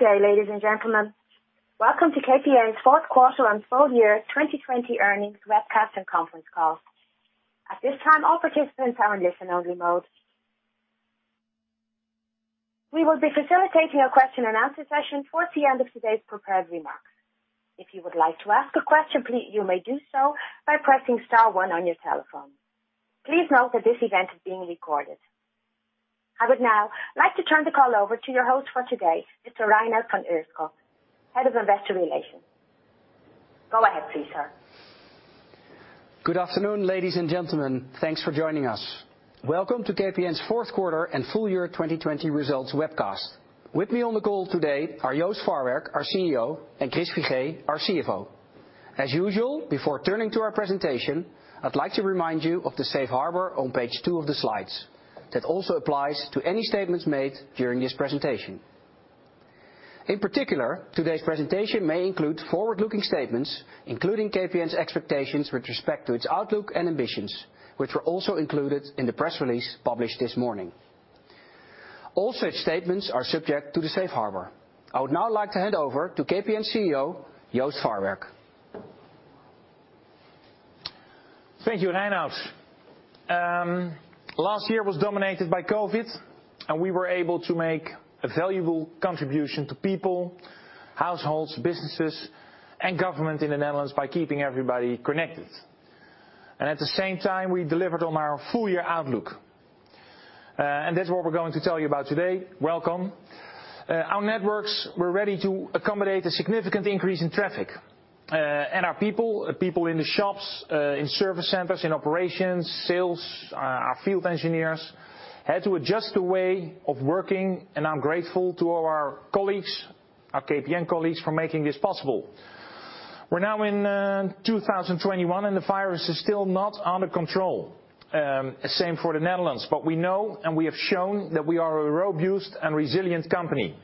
Good day, ladies and gentlemen. Welcome to KPN's Fourth Quarter and Full Year 2020 Earnings Webcast and Conference Call. At this time, all participants are in listen only mode. We will be facilitating a question and answer session towards the end of today's prepared remarks. If you would like to ask a question, you may do so by pressing star one on your telephone. Please note that this event is being recorded. I would now like to turn the call over to your host for today, Mr. Reinout van Ierschot, Head of Investor Relations. Go ahead please, sir. Good afternoon, ladies and gentlemen. Thanks for joining us. Welcome to KPN's fourth quarter and full year 2020 results webcast. With me on the call today are Joost Farwerck, our CEO, and Chris Figee, our CFO. As usual, before turning to our presentation, I'd like to remind you of the Safe Harbor on page two of the slides. That also applies to any statements made during this presentation. In particular, today's presentation may include forward-looking statements, including KPN's expectations with respect to its outlook and ambitions, which were also included in the press release published this morning. All such statements are subject to the Safe Harbor. I would now like to hand over to KPN CEO, Joost Farwerck. Thank you, Reinout. Last year was dominated by COVID-19, we were able to make a valuable contribution to people, households, businesses, and government in the Netherlands by keeping everybody connected. At the same time, we delivered on our full year outlook. That's what we're going to tell you about today. Welcome. Our networks were ready to accommodate a significant increase in traffic. Our people in the shops, in service centers, in operations, sales, our field engineers, had to adjust the way of working, and I'm grateful to our colleagues, our KPN colleagues for making this possible. We're now in 2021, and the virus is still not under control. Same for the Netherlands. We know, and we have shown that we are a robust and resilient company.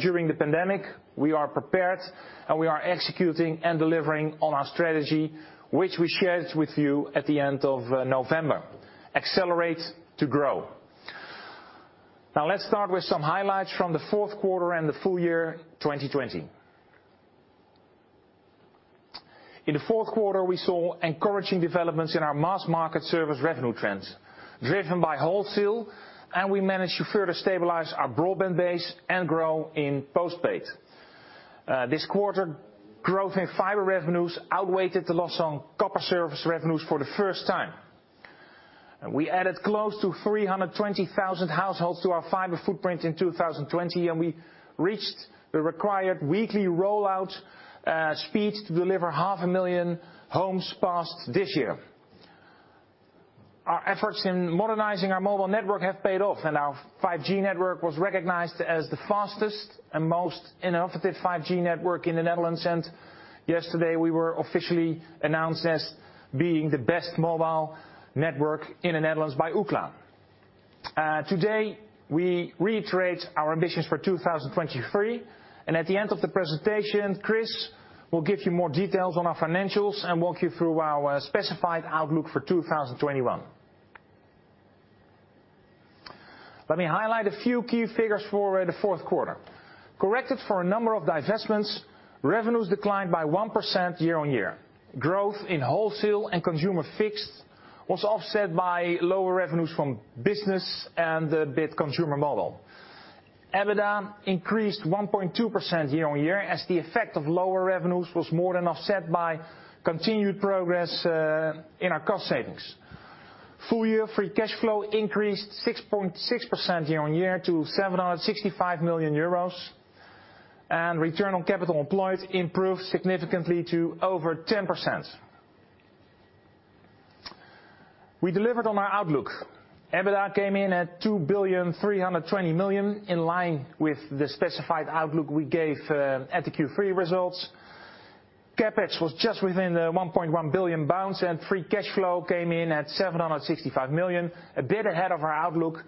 During the pandemic, we are prepared, and we are executing and delivering on our strategy, which we shared with you at the end of November. Accelerate to grow. Let's start with some highlights from the fourth quarter and the full year 2020. In the fourth quarter, we saw encouraging developments in our mass market service revenue trends, driven by wholesale, and we managed to further stabilize our broadband base and grow in post-paid. This quarter, growth in fiber revenues outweighed the loss on copper service revenues for the first time. We added close to 320,000 households to our fiber footprint in 2020, and we reached the required weekly rollout speeds to deliver half a million homes passed this year. Our efforts in modernizing our mobile network have paid off, and our 5G network was recognized as the fastest and most innovative 5G network in the Netherlands. Yesterday, we were officially announced as being the best mobile network in the Netherlands by Ookla. Today, we reiterate our ambitions for 2023, and at the end of the presentation, Chris will give you more details on our financials and walk you through our specified outlook for 2021. Let me highlight a few key figures for the fourth quarter. Corrected for a number of divestments, revenues declined by 1% year-on-year. Growth in wholesale and consumer fixed was offset by lower revenues from business and the B2C model. EBITDA increased 1.2% year-on-year, as the effect of lower revenues was more than offset by continued progress in our cost savings. Full year free cash flow increased 6.6% year-on-year to 765 million euros, and return on capital employed improved significantly to over 10%. We delivered on our outlook. EBITDA came in at 2.32 billion, in line with the specified outlook we gave at the Q3 results. CapEx was just within the 1.1 billion bounds, and free cash flow came in at 765 million, a bit ahead of our outlook.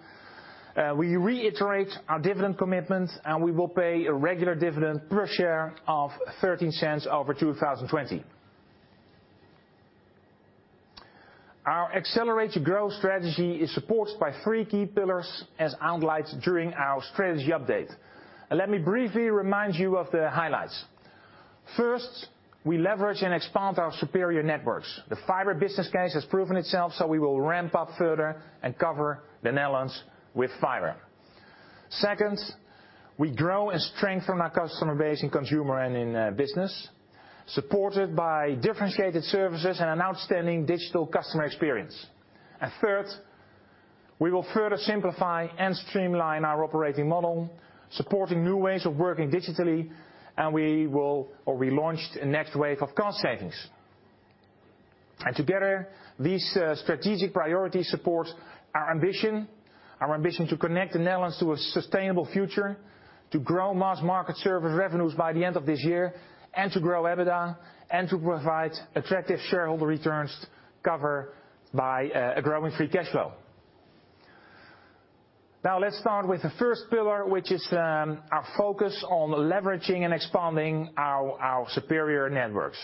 We reiterate our dividend commitment, and we will pay a regular dividend per share of 0.13 over 2020. Our accelerate to growth strategy is supported by three key pillars, as outlined during our strategy update. Let me briefly remind you of the highlights. First, we leverage and expand our superior networks. The fiber business case has proven itself, so we will ramp up further and cover the Netherlands with fiber. Second, we grow and strengthen our customer base in consumer and in business, supported by differentiated services and an outstanding digital customer experience. Third, we will further simplify and streamline our operating model, supporting new ways of working digitally, we launched a next wave of cost savings. Together, these strategic priorities support our ambition. Our ambition to connect the Netherlands to a sustainable future, to grow mass market service revenues by the end of this year, to grow EBITDA, and to provide attractive shareholder returns covered by a growing free cash flow. Let's start with the first pillar, which is our focus on leveraging and expanding our superior networks.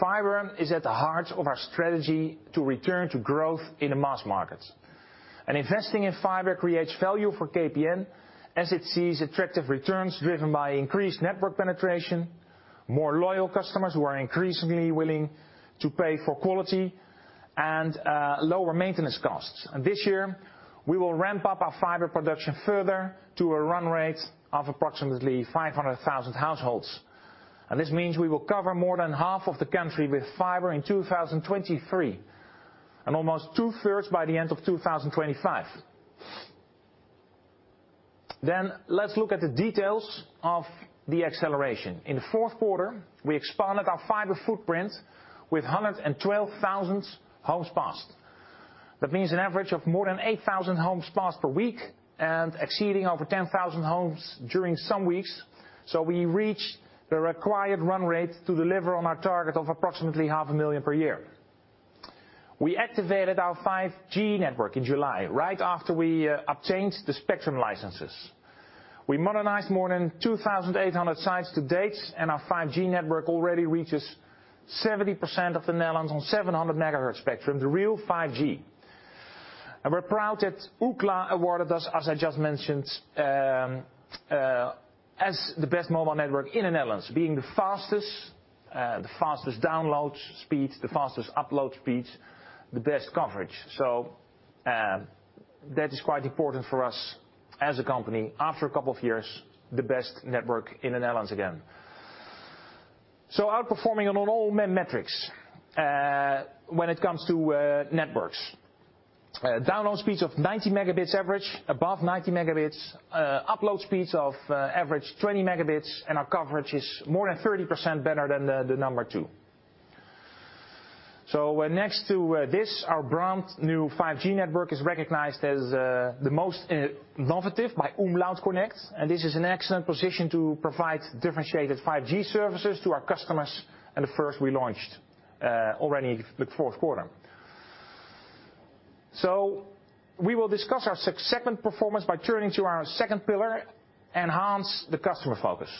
Fiber is at the heart of our strategy to return to growth in the mass market. Investing in fiber creates value for KPN as it sees attractive returns driven by increased network penetration, more loyal customers who are increasingly willing to pay for quality, and lower maintenance costs. This year, we will ramp up our fiber production further to a run rate of approximately 500,000 households. This means we will cover more than half of the country with fiber in 2023, and almost 2/3 by the end of 2025. Let's look at the details of the acceleration. In the fourth quarter, we expanded our fiber footprint with 112,000 homes passed. That means an average of more than 8,000 homes passed per week and exceeding over 10,000 homes during some weeks. We reached the required run rate to deliver on our target of approximately half a million per year. We activated our 5G network in July, right after we obtained the spectrum licenses. We modernized more than 2,800 sites to date, and our 5G network already reaches 70% of the Netherlands on 700 MHz spectrum, the real 5G. We're proud that Ookla awarded us, as I just mentioned, as the best mobile network in the Netherlands, being the fastest. The fastest download speeds, the fastest upload speeds, the best coverage. That is quite important for us as a company. After a couple of years, the best network in the Netherlands again. Outperforming on all net metrics when it comes to networks. Download speeds of 90 Mb average, above 90 Mb. Upload speeds of average 20 Mb, and our coverage is more than 30% better than the number two. Next to this, our brand new 5G network is recognized as the most innovative by umlaut connect, and this is an excellent position to provide differentiated 5G services to our customers, and the first we launched already the fourth quarter. We will discuss our segment performance by turning to our second pillar, enhance the customer focus.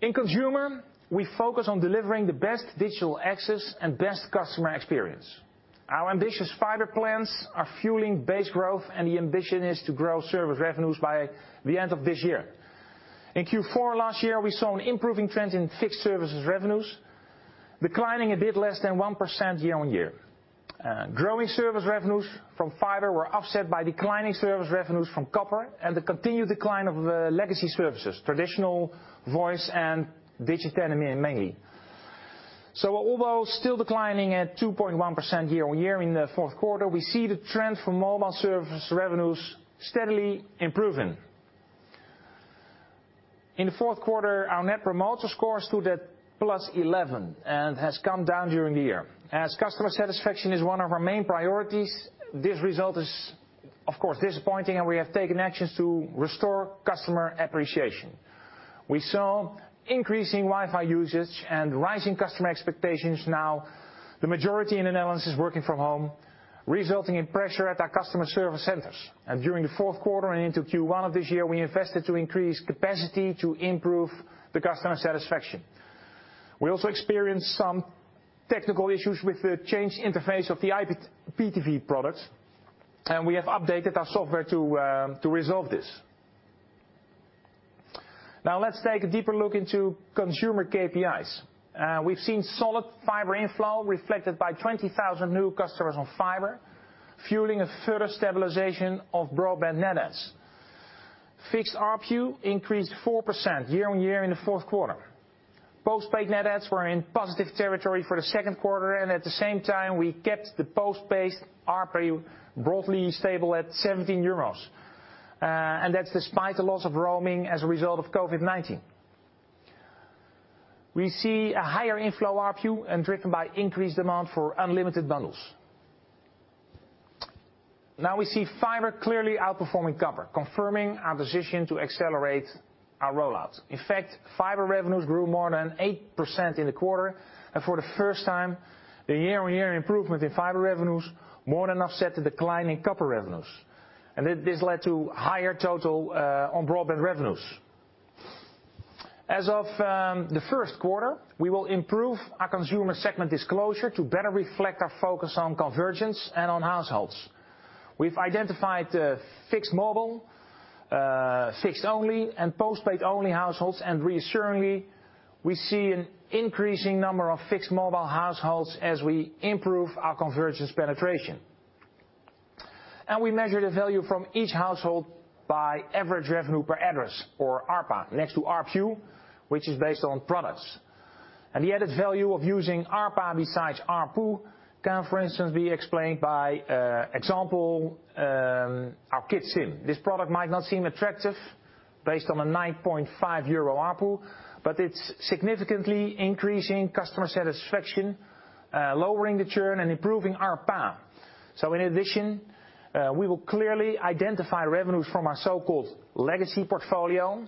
In consumer, we focus on delivering the best digital access and best customer experience. Our ambitious fiber plans are fueling base growth, and the ambition is to grow service revenues by the end of this year. In Q4 last year, we saw an improving trend in fixed services revenues, declining a bit less than 1% year-on-year. Growing service revenues from fiber were offset by declining service revenues from copper and the continued decline of legacy services, traditional voice and Digitenne, mainly. Although still declining at 2.1% year-on-year in the fourth quarter, we see the trend for mobile service revenues steadily improving. In the fourth quarter, our Net Promoter Score stood at +11 and has come down during the year. As customer satisfaction is one of our main priorities, this result is of course disappointing, and we have taken actions to restore customer appreciation. We saw increasing Wi-Fi usage and rising customer expectations. The majority in the Netherlands is working from home, resulting in pressure at our customer service centers. During the fourth quarter and into Q1 of this year, we invested to increase capacity to improve the customer satisfaction. We also experienced some technical issues with the change interface of the IPTV products, and we have updated our software to resolve this. Let's take a deeper look into consumer KPIs. We've seen solid fiber inflow reflected by 20,000 new customers on fiber, fueling a further stabilization of broadband net adds. Fixed ARPU increased 4% year-on-year in the fourth quarter. Postpaid net adds were in positive territory for the second quarter, and at the same time, we kept the postpaid ARPU broadly stable at 17 euros. That's despite the loss of roaming as a result of COVID-19. We see a higher inflow ARPU and driven by increased demand for unlimited bundles. Now we see fiber clearly outperforming copper, confirming our decision to accelerate our rollout. In fact, fiber revenues grew more than 8% in the quarter. For the first time, the year-on-year improvement in fiber revenues more than offset the decline in copper revenues. This led to higher total on broadband revenues. As of the first quarter, we will improve our consumer segment disclosure to better reflect our focus on convergence and on households. We've identified fixed mobile, fixed only, and postpaid only households. Reassuringly, we see an increasing number of fixed mobile households as we improve our convergence penetration. We measure the value from each household by average revenue per address, or ARPA, next to ARPU, which is based on products. The added value of using ARPA besides ARPU can, for instance, be explained by example, our Kids Sim. This product might not seem attractive based on a 9.5 euro ARPU, but it's significantly increasing customer satisfaction, lowering the churn, and improving ARPA. In addition, we will clearly identify revenues from our so-called legacy portfolio,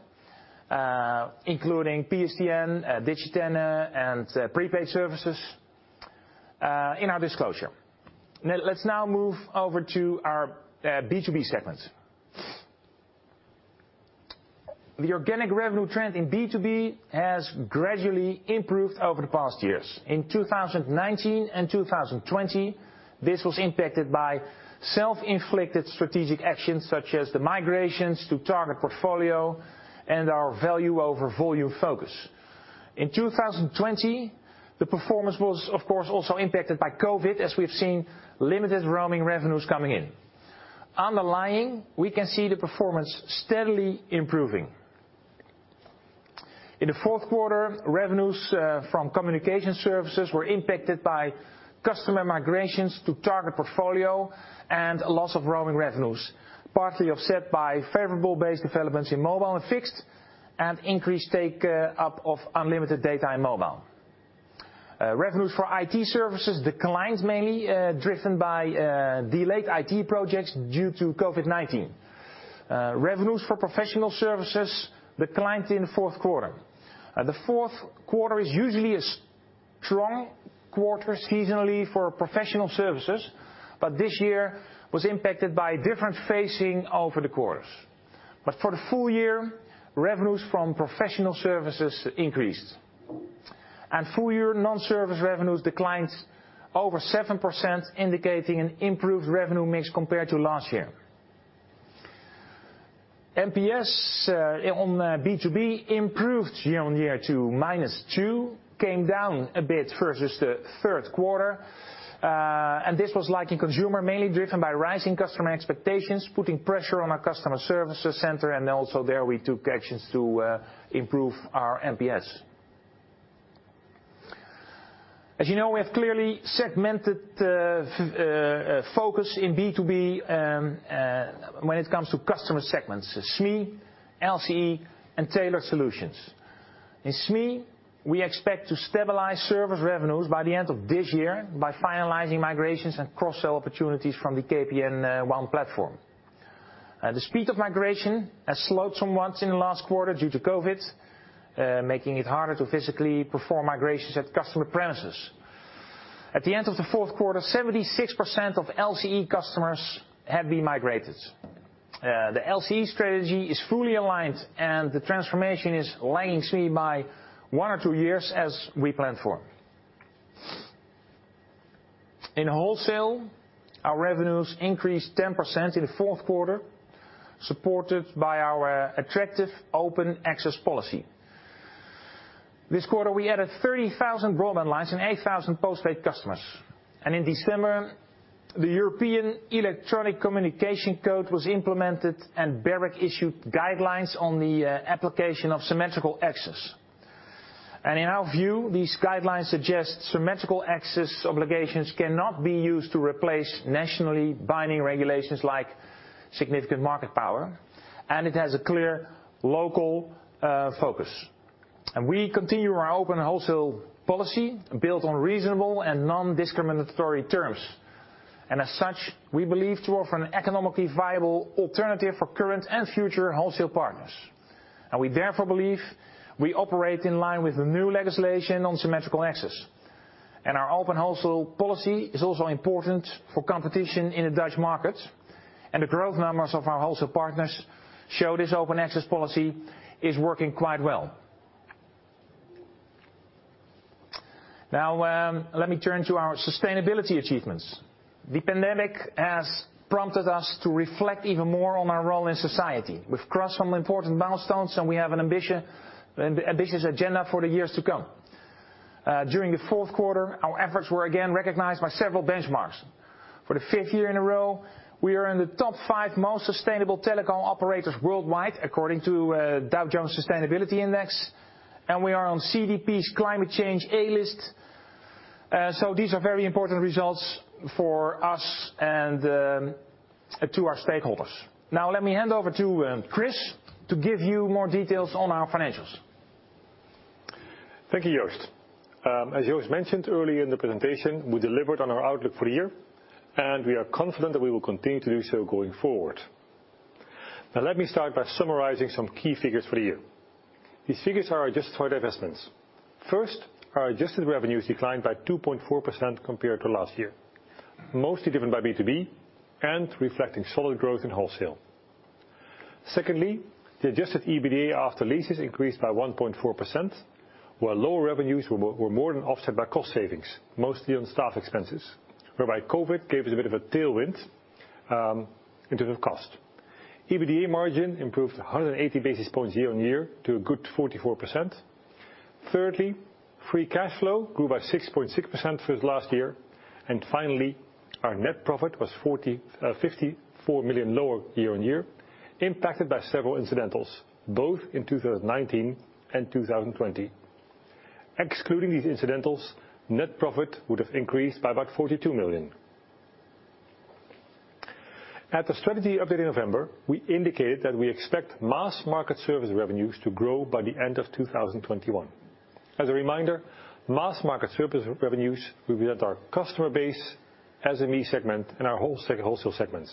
including PSTN, Digitenne, and prepaid services, in our disclosure. Let's now move over to our B2B segment. The organic revenue trend in B2B has gradually improved over the past years. In 2019 and 2020, this was impacted by self-inflicted strategic actions such as the migrations to target portfolio and our value over volume focus. In 2020, the performance was, of course, also impacted by COVID-19, as we've seen limited roaming revenues coming in. Underlying, we can see the performance steadily improving. In the fourth quarter, revenues from communication services were impacted by customer migrations to target portfolio and a loss of roaming revenues, partly offset by favorable base developments in mobile and fixed, and increased take-up of unlimited data and mobile. Revenues for IT services declines mainly driven by delayed IT projects due to COVID-19. Revenues for professional services declined in the fourth quarter. The fourth quarter is usually a strong quarter seasonally for professional services, this year was impacted by different phasing over the quarters. For the full year, revenues from professional services increased. Full year non-service revenues declined over 7%, indicating an improved revenue mix compared to last year. NPS on B2B improved year-on-year to -2, came down a bit versus the third quarter. This was like in consumer, mainly driven by rising customer expectations, putting pressure on our customer services center and also there we took actions to improve our NPS. As you know, we have clearly segmented focus in B2B, when it comes to customer segments, SME, LCE, and tailored solutions. In SME, we expect to stabilize service revenues by the end of this year by finalizing migrations and cross-sell opportunities from the KPN ONE platform. The speed of migration has slowed somewhat in the last quarter due to COVID, making it harder to physically perform migrations at customer premises. At the end of the fourth quarter, 76% of LCE customers have been migrated. The LCE strategy is fully aligned and the transformation is lagging SME by one or two years as we planned for. In wholesale, our revenues increased 10% in the fourth quarter, supported by our attractive open access policy. This quarter, we added 30,000 broadband lines and 8,000 post-paid customers. In December, the European Electronic Communications Code was implemented and BEREC issued guidelines on the application of symmetrical access. In our view, these guidelines suggest symmetrical access obligations cannot be used to replace nationally binding regulations like significant market power, and it has a clear local focus. We continue our open wholesale policy built on reasonable and non-discriminatory terms. As such, we believe to offer an economically viable alternative for current and future wholesale partners. We therefore believe we operate in line with the new legislation on symmetrical access. Our open wholesale policy is also important for competition in the Dutch market. The growth numbers of our wholesale partners show this open access policy is working quite well. Let me turn to our sustainability achievements. The pandemic has prompted us to reflect even more on our role in society. We've crossed some important milestones, and we have an ambitious agenda for the years to come. During the fourth quarter, our efforts were again recognized by several benchmarks. For the fifth year in a row, we are in the top five most sustainable telecom operators worldwide, according to Dow Jones Sustainability Index, and we are on CDP's Climate Change A List. These are very important results for us and to our stakeholders. Let me hand over to Chris to give you more details on our financials. Thank you, Joost. As Joost mentioned earlier in the presentation, we delivered on our outlook for the year, and we are confident that we will continue to do so going forward. Now let me start by summarizing some key figures for the year. These figures are adjusted for divestments. First, our adjusted revenues declined by 2.4% compared to last year, mostly driven by B2B and reflecting solid growth in wholesale. Secondly, the adjusted EBITDA after leases increased by 1.4%, while lower revenues were more than offset by cost savings, mostly on staff expenses, whereby COVID-19 gave us a bit of a tailwind in terms of cost. EBITDA margin improved 180 basis points year-on-year to a good 44%. Thirdly, free cash flow grew by 6.6% versus last year. Finally, our net profit was 54 million lower year-on-year, impacted by several incidentals, both in 2019 and 2020. Excluding these incidentals, net profit would have increased by about 42 million. At the strategy update in November, we indicated that we expect mass market service revenues to grow by the end of 2021. As a reminder, mass market service revenues will be at our customer base, SME segment, and our wholesale segments.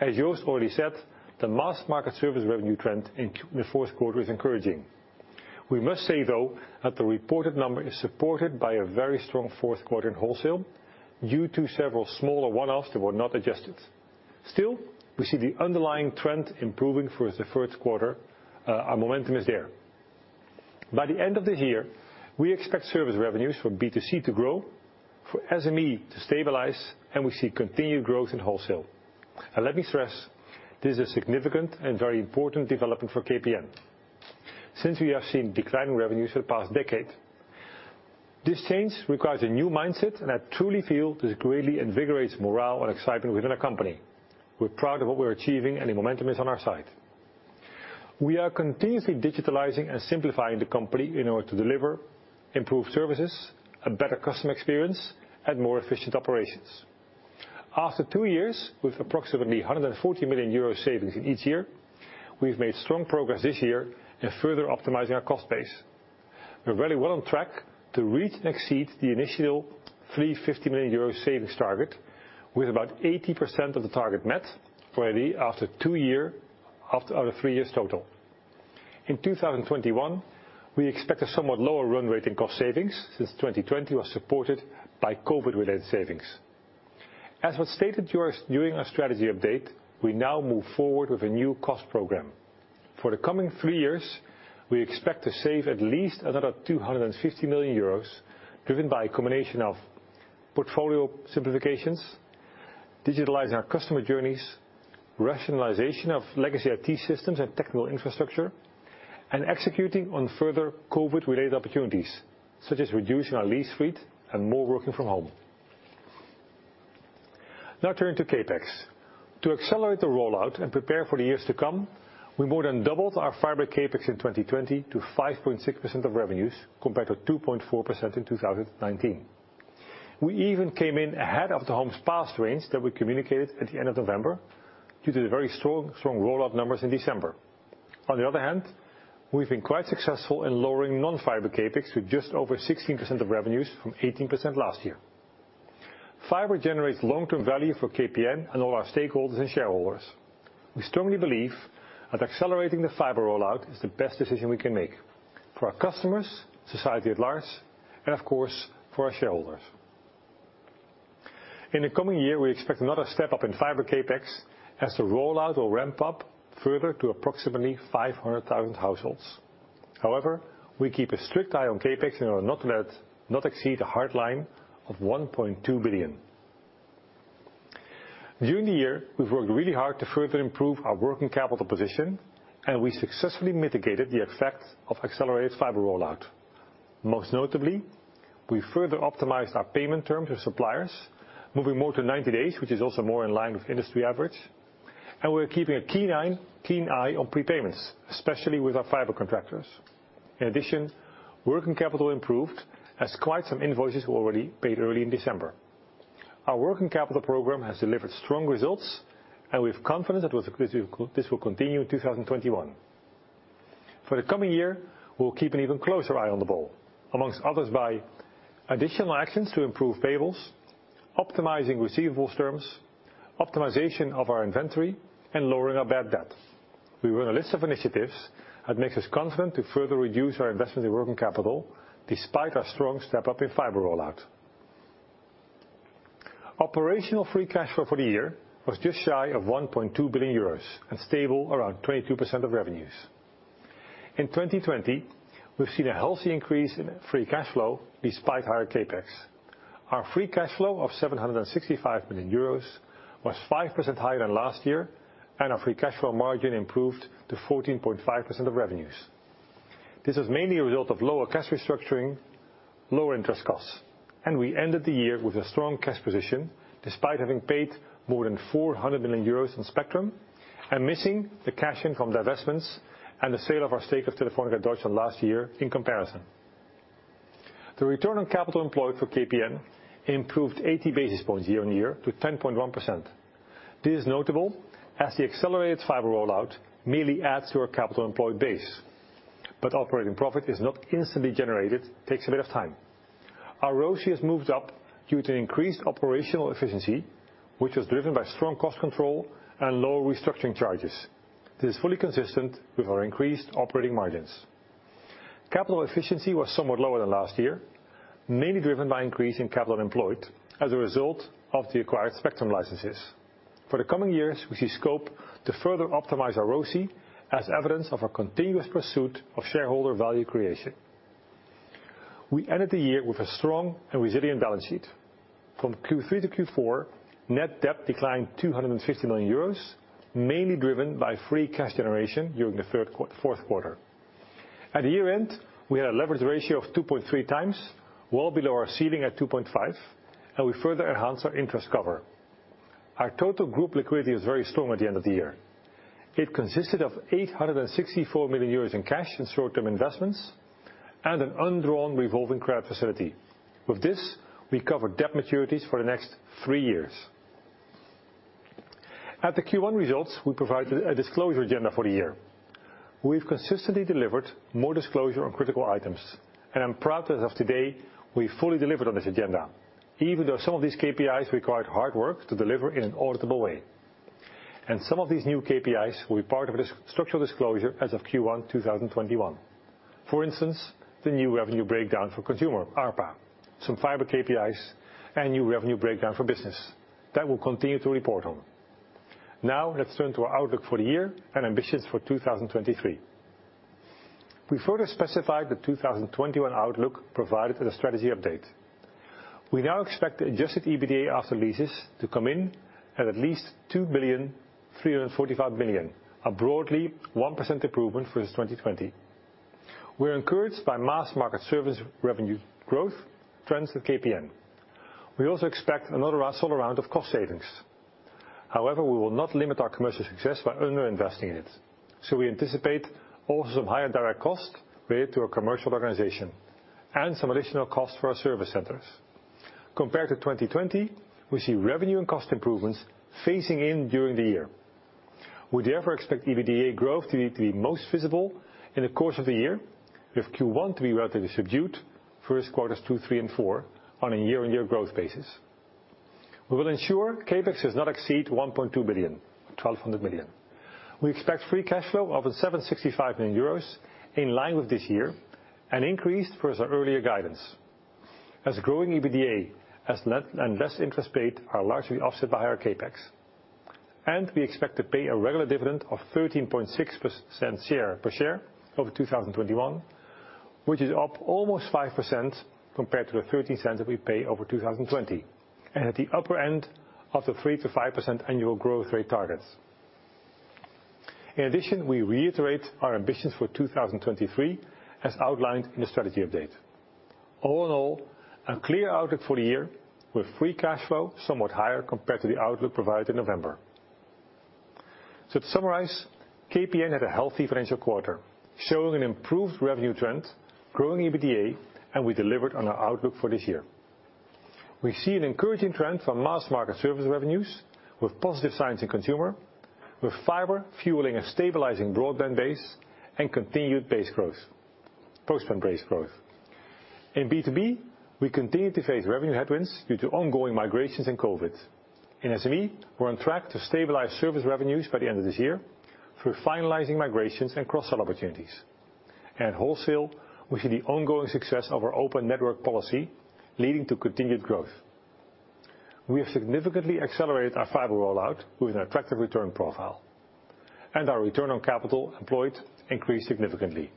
As Joost already said, the mass market service revenue trend in Q4 was encouraging. We must say, though, that the reported number is supported by a very strong fourth quarter in wholesale due to several smaller one-offs that were not adjusted. We see the underlying trend improving for the third quarter. Our momentum is there. By the end of the year, we expect service revenues from B2C to grow, for SME to stabilize, and we see continued growth in wholesale. Let me stress, this is a significant and very important development for KPN. Since we have seen declining revenues for the past decade, this change requires a new mindset, and I truly feel this greatly invigorates morale and excitement within our company. We're proud of what we're achieving, and the momentum is on our side. We are continuously digitalizing and simplifying the company in order to deliver improved services, a better customer experience, and more efficient operations. After two years with approximately 140 million euros savings in each year, we've made strong progress this year in further optimizing our cost base. We're very well on track to reach and exceed the initial 350 million euro savings target, with about 80% of the target met for after three years total. In 2021, we expect a somewhat lower run rate in cost savings, since 2020 was supported by COVID-19-related savings. As was stated during our strategy update, we now move forward with a new cost program. For the coming three years, we expect to save at least another 250 million euros, driven by a combination of portfolio simplifications, digitalizing our customer journeys, rationalization of legacy IT systems and technical infrastructure, and executing on further COVID-19-related opportunities, such as reducing our lease fleet and more working from home. Now turning to CapEx. To accelerate the rollout and prepare for the years to come, we more than doubled our fiber CapEx in 2020 to 5.6% of revenues, compared to 2.4% in 2019. We even came in ahead of the homes passed range that we communicated at the end of November due to the very strong rollout numbers in December. On the other hand, we've been quite successful in lowering non-fiber CapEx to just over 16% of revenues from 18% last year. Fiber generates long-term value for KPN and all our stakeholders and shareholders. We strongly believe that accelerating the fiber rollout is the best decision we can make for our customers, society at large, and of course, for our shareholders. In the coming year, we expect another step-up in fiber CapEx as the rollout will ramp up further to approximately 500,000 households. We keep a strict eye on CapEx in order to not exceed a hard line of 1.2 billion. During the year, we've worked really hard to further improve our working capital position, and we successfully mitigated the effect of accelerated fiber rollout. Most notably, we further optimized our payment terms with suppliers, moving more to 90 days, which is also more in line with industry average, and we're keeping a keen eye on prepayments, especially with our fiber contractors. Working capital improved as quite some invoices were already paid early in December. Our working capital program has delivered strong results, and we have confidence that this will continue in 2021. For the coming year, we'll keep an even closer eye on the ball, amongst others by additional actions to improve payables, optimizing receivables terms, optimization of our inventory, and lowering our bad debt. We run a list of initiatives that makes us confident to further reduce our investment in working capital despite our strong step-up in fiber rollout. Operational free cash flow for the year was just shy of 1.2 billion euros and stable around 22% of revenues. In 2020, we've seen a healthy increase in free cash flow despite higher CapEx. Our free cash flow of 765 million euros was 5% higher than last year, and our free cash flow margin improved to 14.5% of revenues. This was mainly a result of lower cash restructuring, lower interest costs. We ended the year with a strong cash position despite having paid more than 400 million euros in spectrum and missing the cash in from divestments and the sale of our stake of Telefónica Deutschland last year in comparison. The return on capital employed for KPN improved 80 basis points year-on-year to 10.1%. This is notable as the accelerated fiber rollout merely adds to our capital employed base. Operating profit is not instantly generated. It takes a bit of time. Our ROCE has moved up due to increased operational efficiency, which was driven by strong cost control and lower restructuring charges. Capital efficiency was somewhat lower than last year, mainly driven by increase in capital employed as a result of the acquired spectrum licenses. For the coming years, we see scope to further optimize our ROCE as evidence of our continuous pursuit of shareholder value creation. We ended the year with a strong and resilient balance sheet. From Q3 to Q4, net debt declined 250 million euros, mainly driven by free cash generation during the fourth quarter. At the year-end, we had a leverage ratio of 2.3x, well below our ceiling at 2.5, and we further enhanced our interest cover. Our total group liquidity was very strong at the end of the year. It consisted of 864 million euros in cash and short-term investments and an undrawn revolving credit facility. With this, we cover debt maturities for the next three years. At the Q1 results, we provided a disclosure agenda for the year. We've consistently delivered more disclosure on critical items. I'm proud that as of today, we fully delivered on this agenda, even though some of these KPIs required hard work to deliver in an auditable way. Some of these new KPIs will be part of a structural disclosure as of Q1 2021. For instance, the new revenue breakdown for consumer ARPA, some fiber KPIs, and new revenue breakdown for business. That we'll continue to report on. Now let's turn to our outlook for the year and ambitions for 2023. We further specified the 2021 outlook provided in the strategy update. We now expect adjusted EBITDA after leases to come in at at least 2,345 million, a broadly 1% improvement versus 2020. We're encouraged by mass market service revenue growth trends with KPN. We also expect another solid round of cost savings. We will not limit our commercial success by under-investing in it. We anticipate also some higher direct costs related to our commercial organization, and some additional costs for our service centers. Compared to 2020, we see revenue and cost improvements phasing in during the year. We therefore expect EBITDA growth to be most visible in the course of the year, with Q1 to be relatively subdued versus quarters two, three, and four on a year-on-year growth basis. We will ensure CapEx does not exceed 1.2 billion, 1,200 million. We expect free cash flow of 765 million euros, in line with this year, and increased versus our earlier guidance. Growing EBITDA and less interest paid are largely offset by higher CapEx. We expect to pay a regular dividend of 13.6% per share over 2021, which is up almost 5% compared to the 0.13 that we paid over 2020, at the upper end of the 3%-5% annual growth rate targets. In addition, we reiterate our ambitions for 2023 as outlined in the strategy update. All in all, a clear outlook for the year with free cash flow somewhat higher compared to the outlook provided in November. To summarize, KPN had a healthy financial quarter, showing an improved revenue trend, growing EBITDA, and we delivered on our outlook for this year. We see an encouraging trend from mass market service revenues, with positive signs in consumer, with fiber fueling a stabilizing broadband base, and continued post-pay base growth. In B2B, we continue to face revenue headwinds due to ongoing migrations and COVID-19. In SME, we're on track to stabilize service revenues by the end of this year through finalizing migrations and cross-sell opportunities. At wholesale, we see the ongoing success of our open network policy leading to continued growth. We have significantly accelerated our fiber rollout with an attractive return profile, and our return on capital employed increased significantly.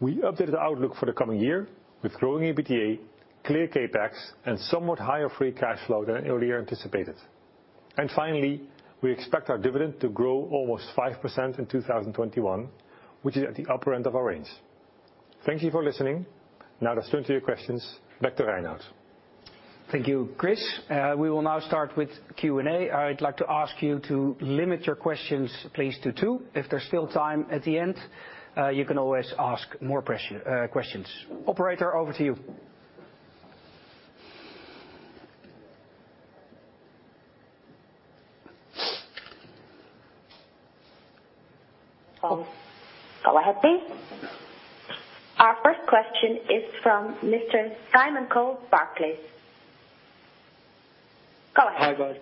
We updated the outlook for the coming year with growing EBITDA, clear CapEx, and somewhat higher free cash flow than earlier anticipated. Finally, we expect our dividend to grow almost 5% in 2021, which is at the upper end of our range. Thank you for listening. Now let's turn to your questions. Back to Reinout. Thank you, Chris. We will now start with Q&A. I'd like to ask you to limit your questions please to two. If there's still time at the end, you can always ask more questions. Operator, over to you. Go ahead, please. Our first question is from Mr. Simon Coles, Barclays. Go ahead. Hi, guys.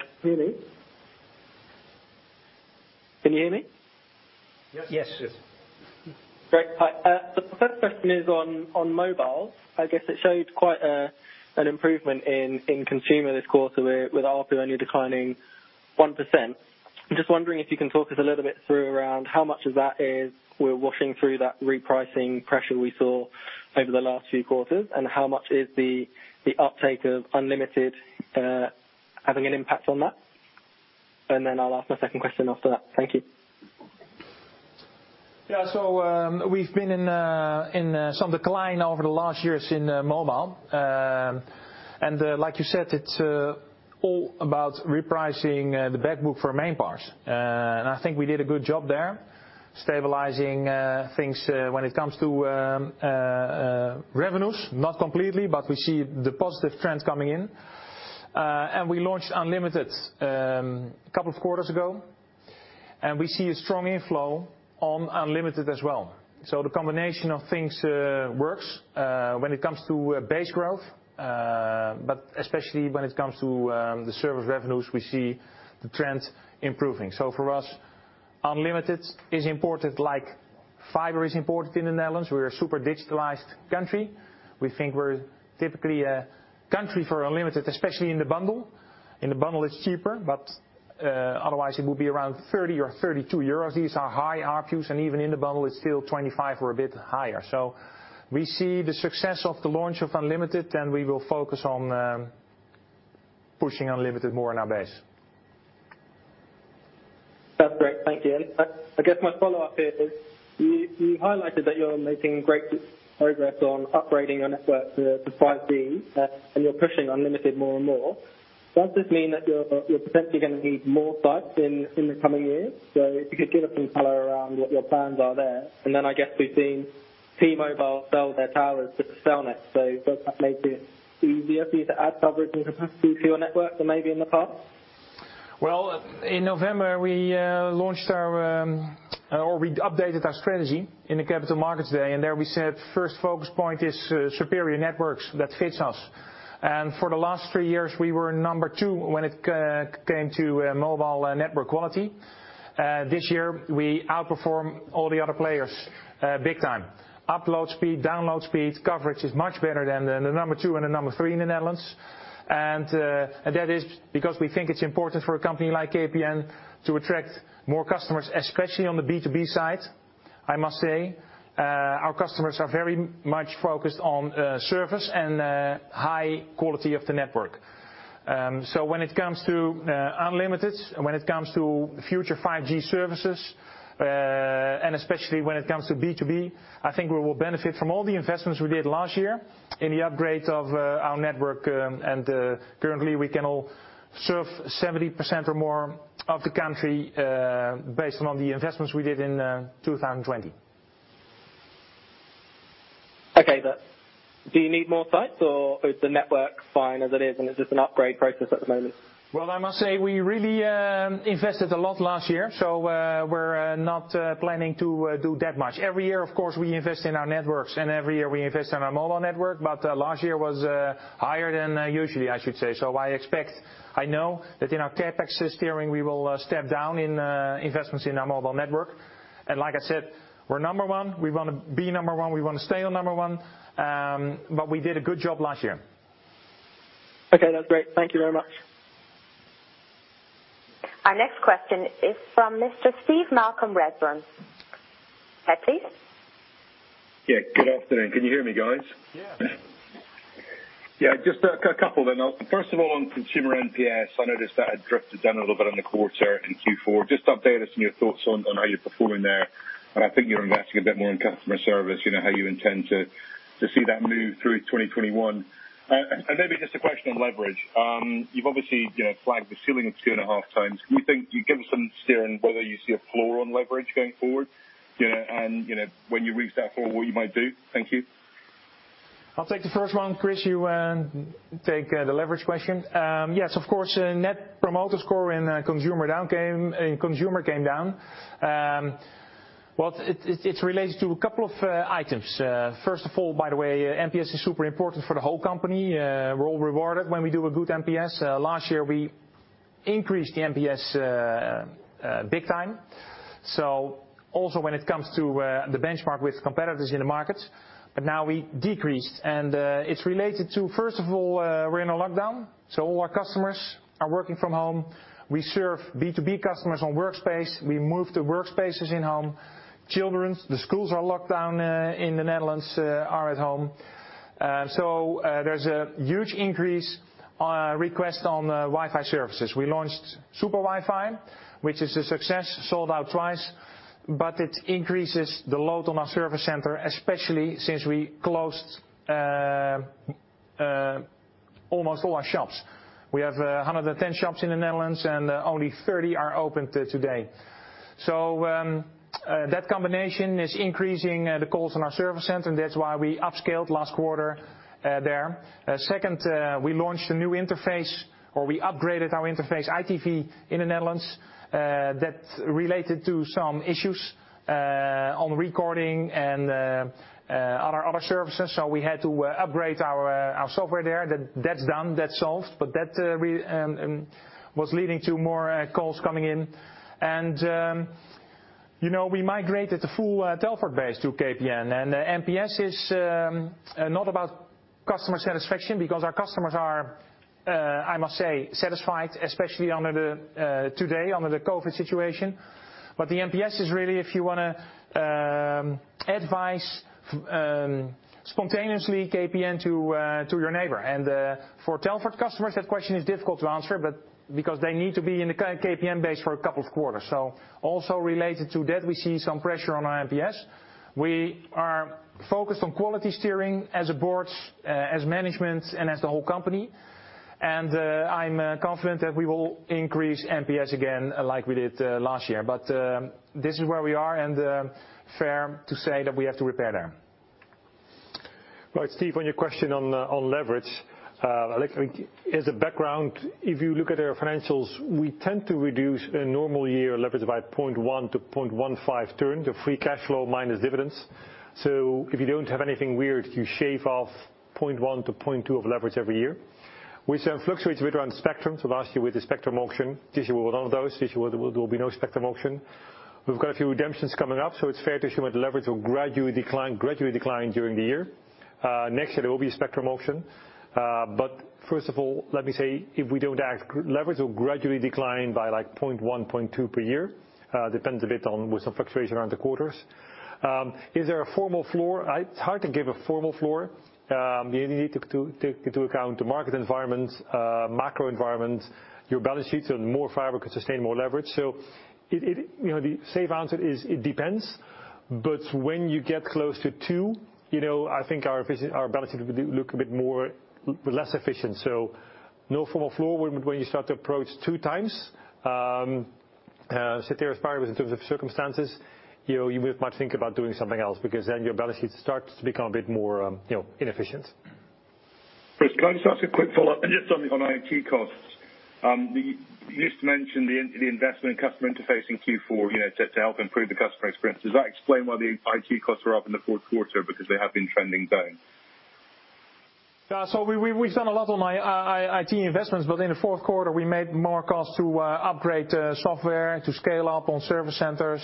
Can you hear me? Yes. Yes. Great. Hi. The first question is on mobile. I guess it showed quite an improvement in consumer this quarter, with ARPU only declining 1%. I'm just wondering if you can talk us a little bit through around how much of that we're washing through that repricing pressure we saw over the last few quarters, and how much is the uptake of unlimited having an impact on that? I'll ask my second question after that. Thank you. We've been in some decline over the last years in mobile. Like you said, it's all about repricing the back book for main parts. I think we did a good job there, stabilizing things when it comes to revenues. Not completely, but we see the positive trends coming in. We launched unlimited a couple of quarters ago. We see a strong inflow on unlimited as well. The combination of things works when it comes to base growth. Especially when it comes to the service revenues, we see the trends improving. For us, unlimited is important, like fiber is important in the Netherlands. We're a super digitalized country. We think we're typically a country for unlimited, especially in the bundle. In the bundle, it's cheaper, but otherwise it would be around 30 or 32 euros. These are high ARPUs, and even in the bundle, it's still 25 or a bit higher. We see the success of the launch of unlimited, and we will focus on pushing unlimited more in our base. That's great. Thank you. I guess my follow-up is, you highlighted that you're making great progress on upgrading your network to 5G, and you're pushing unlimited more and more. Does this mean that you're potentially going to need more sites in the coming years? If you could give us some color around what your plans are there. I guess we've seen T-Mobile sell their towers with Cellnex, so does that make it easier for you to add coverage and capacity to your network than maybe in the past? Well, in November we launched our. We updated our strategy in the Capital Markets Day, and there we said first focus point is superior networks that fits us. For the last three years, we were number two when it came to mobile network quality. This year, we outperform all the other players big time. Upload speed, download speed, coverage is much better than the number two and the number three in the Netherlands. That is because we think it's important for a company like KPN to attract more customers, especially on the B2B side. I must say, our customers are very much focused on service and high quality of the network. When it comes to unlimited, when it comes to future 5G services, and especially when it comes to B2B, I think we will benefit from all the investments we did last year in the upgrade of our network, and currently, we can all serve 70% or more of the country based on the investments we did in 2020. Okay. Do you need more sites or is the network fine as it is and it's just an upgrade process at the moment? Well, I must say, we really invested a lot last year, so we're not planning to do that much. Every year, of course, we invest in our networks, and every year we invest in our mobile network, but last year was higher than usually, I should say. I expect, I know, that in our CapEx steering we will step down in investments in our mobile network. Like I said, we're number one, we want to be number one, we want to stay on number one, but we did a good job last year. Okay, that's great. Thank you very much. Our next question is from Mr. Steve Malcolm, Redburn. Go ahead please. Yeah, good afternoon. Can you hear me, guys? Yeah. Just a couple then. First of all, on consumer NPS, I noticed that had drifted down a little bit in the quarter in Q4. Just update us on your thoughts on how you're performing there. I think you're investing a bit more in customer service, how you intend to see that move through 2021. Maybe just a question on leverage. You've obviously flagged the ceiling of 2.5x. Can you give us some steering whether you see a floor on leverage going forward? When you reach that floor, what you might do? Thank you. I'll take the first one. Chris, you take the leverage question. Of course, Net Promoter Score in consumer came down. Well, it's related to a couple of items. First of all, by the way, NPS is super important for the whole company. We're all rewarded when we do a good NPS. Last year, we increased the NPS big time. Also when it comes to the benchmark with competitors in the market. Now we decreased. It's related to, first of all, we're in a lockdown, so all our customers are working from home. We serve B2B customers on Workspace. We moved to Workspaces in Home. Children, the schools are locked down in the Netherlands, are at home. There's a huge increase on request on Wi-Fi services. We launched Super Wi-Fi, which is a success, sold out twice. It increases the load on our service center, especially since we closed almost all our shops. We have 110 shops in the Netherlands, and only 30 are open today. That combination is increasing the calls in our service center, and that's why we upscaled last quarter there. Second, we launched a new interface, or we upgraded our interface, iTV, in the Netherlands, that related to some issues on recording and other services. We had to upgrade our software there. That's done, that's solved, that was leading to more calls coming in. We migrated the full Telfort base to KPN, NPS is not about customer satisfaction because our customers are, I must say, satisfied, especially under the, today, under the COVID situation. The NPS is really if you want to advise spontaneously KPN to your neighbor. For Telfort customers, that question is difficult to answer, but because they need to be in the KPN base for a couple of quarters. Also related to that, we see some pressure on our NPS. We are focused on quality steering as a board, as management, and as the whole company. I'm confident that we will increase NPS again like we did last year. This is where we are, and fair to say that we have to repair there. Right, Steve, on your question on leverage. As a background, if you look at our financials, we tend to reduce a normal year leverage by 0.1-0.15 turn to free cash flow minus dividends. If you don't have anything weird, you shave off 0.1-0.2 of leverage every year, which then fluctuates a bit around spectrum. Last year with the spectrum auction, this year we won't have those. This year there will be no spectrum auction. We've got a few redemptions coming up, so it's fair to assume that leverage will gradually decline during the year. Next year there will be a spectrum auction. First of all, let me say, if we don't act, leverage will gradually decline by like 0.1, 0.2 per year. Depends a bit on with some fluctuation around the quarters. Is there a formal floor? It's hard to give a formal floor. You need to take into account the market environment, macro environment, your balance sheets, and more fiber can sustain more leverage. The safe answer is it depends, but when you get close to two, I think our balance sheet will look a bit more, less efficient. No formal floor. When you start to approach 2x, ceteris paribus in terms of circumstances, you might think about doing something else because then your balance sheet starts to become a bit more inefficient. Chris, can I just ask a quick follow-up on IT costs? You just mentioned the investment customer interface in Q4 to help improve the customer experience. Does that explain why the IT costs are up in the fourth quarter? They have been trending down. We've done a lot on IT investments, but in the fourth quarter, we made more cost to upgrade software to scale up on service centers.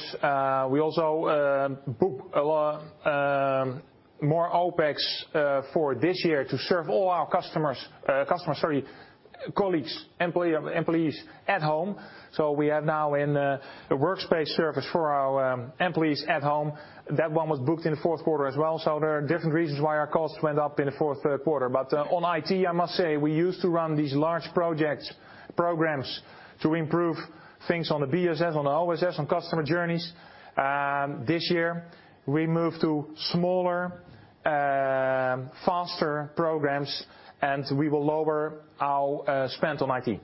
We also book a lot more OpEx for this year to serve all our colleagues, employees at home. We have now in the Workspace service for our employees at home. That one was booked in the fourth quarter as well. There are different reasons why our costs went up in the fourth quarter. On IT, I must say, we used to run these large projects, programs to improve things on the BSS, on the OSS, on customer journeys. This year, we move to smaller, faster programs, and we will lower our spend on IT.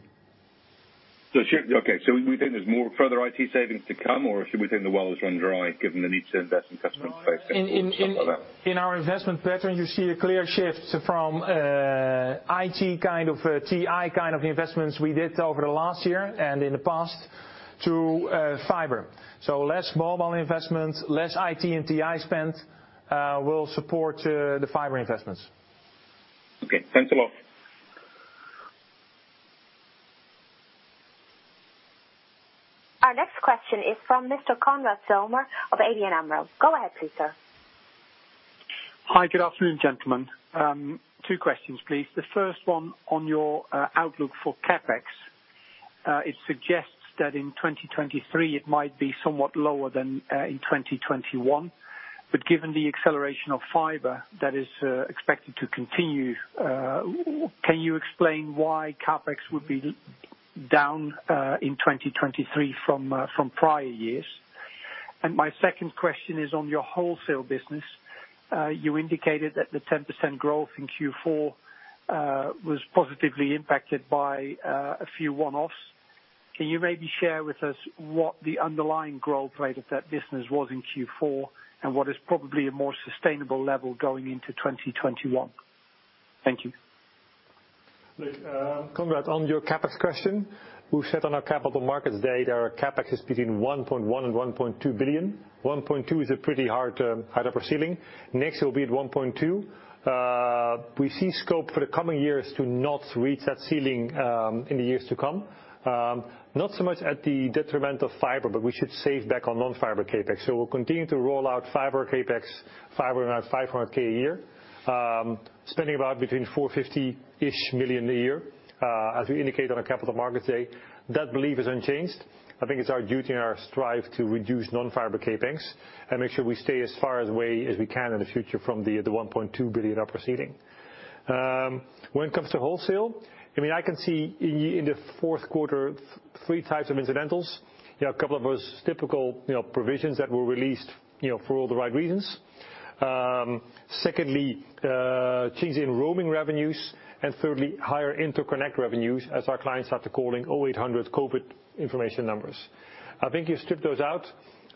Okay. We think there's more further IT savings to come, or should we think the well has run dry given the need to invest in customer interface and stuff like that? In our investment pattern, you see a clear shift from IT kind of TI kind of investments we did over the last year and in the past to fiber. Less mobile investment, less IT and TI spend will support the fiber investments. Okay, thanks a lot. Our next question is from Mr. Conrad Siem of ABN AMRO. Go ahead, please, sir. Hi. Good afternoon, gentlemen. Two questions, please. The first one on your outlook for CapEx. It suggests that in 2023, it might be somewhat lower than in 2021. Given the acceleration of fiber that is expected to continue, can you explain why CapEx would be down in 2023 from prior years? My second question is on your wholesale business. You indicated that the 10% growth in Q4 was positively impacted by a few one-offs. Can you maybe share with us what the underlying growth rate of that business was in Q4 and what is probably a more sustainable level going into 2021? Thank you. Look, Conrad, on your CapEx question, we've said on our capital markets day that our CapEx is between 1.1 billion and 1.2 billion. 1.2 is a pretty hard upper ceiling. It will be at 1.2. We see scope for the coming years to not reach that ceiling in the years to come. Not so much at the detriment of fiber. We should save back on non-fiber CapEx. We'll continue to roll out fiber CapEx, fiber around 500,000 a year, spending about between 450 million a year. As we indicate on our capital markets day, that belief is unchanged. I think it's our duty and our strive to reduce non-fiber CapEx and make sure we stay as far away as we can in the future from the 1.2 billion upper ceiling. When it comes to wholesale, I can see in the fourth quarter, three types of incidentals. A couple of those typical provisions that were released for all the right reasons. Secondly, changes in roaming revenues, and thirdly, higher interconnect revenues as our clients start calling 0800 COVID information numbers. I think you strip those out,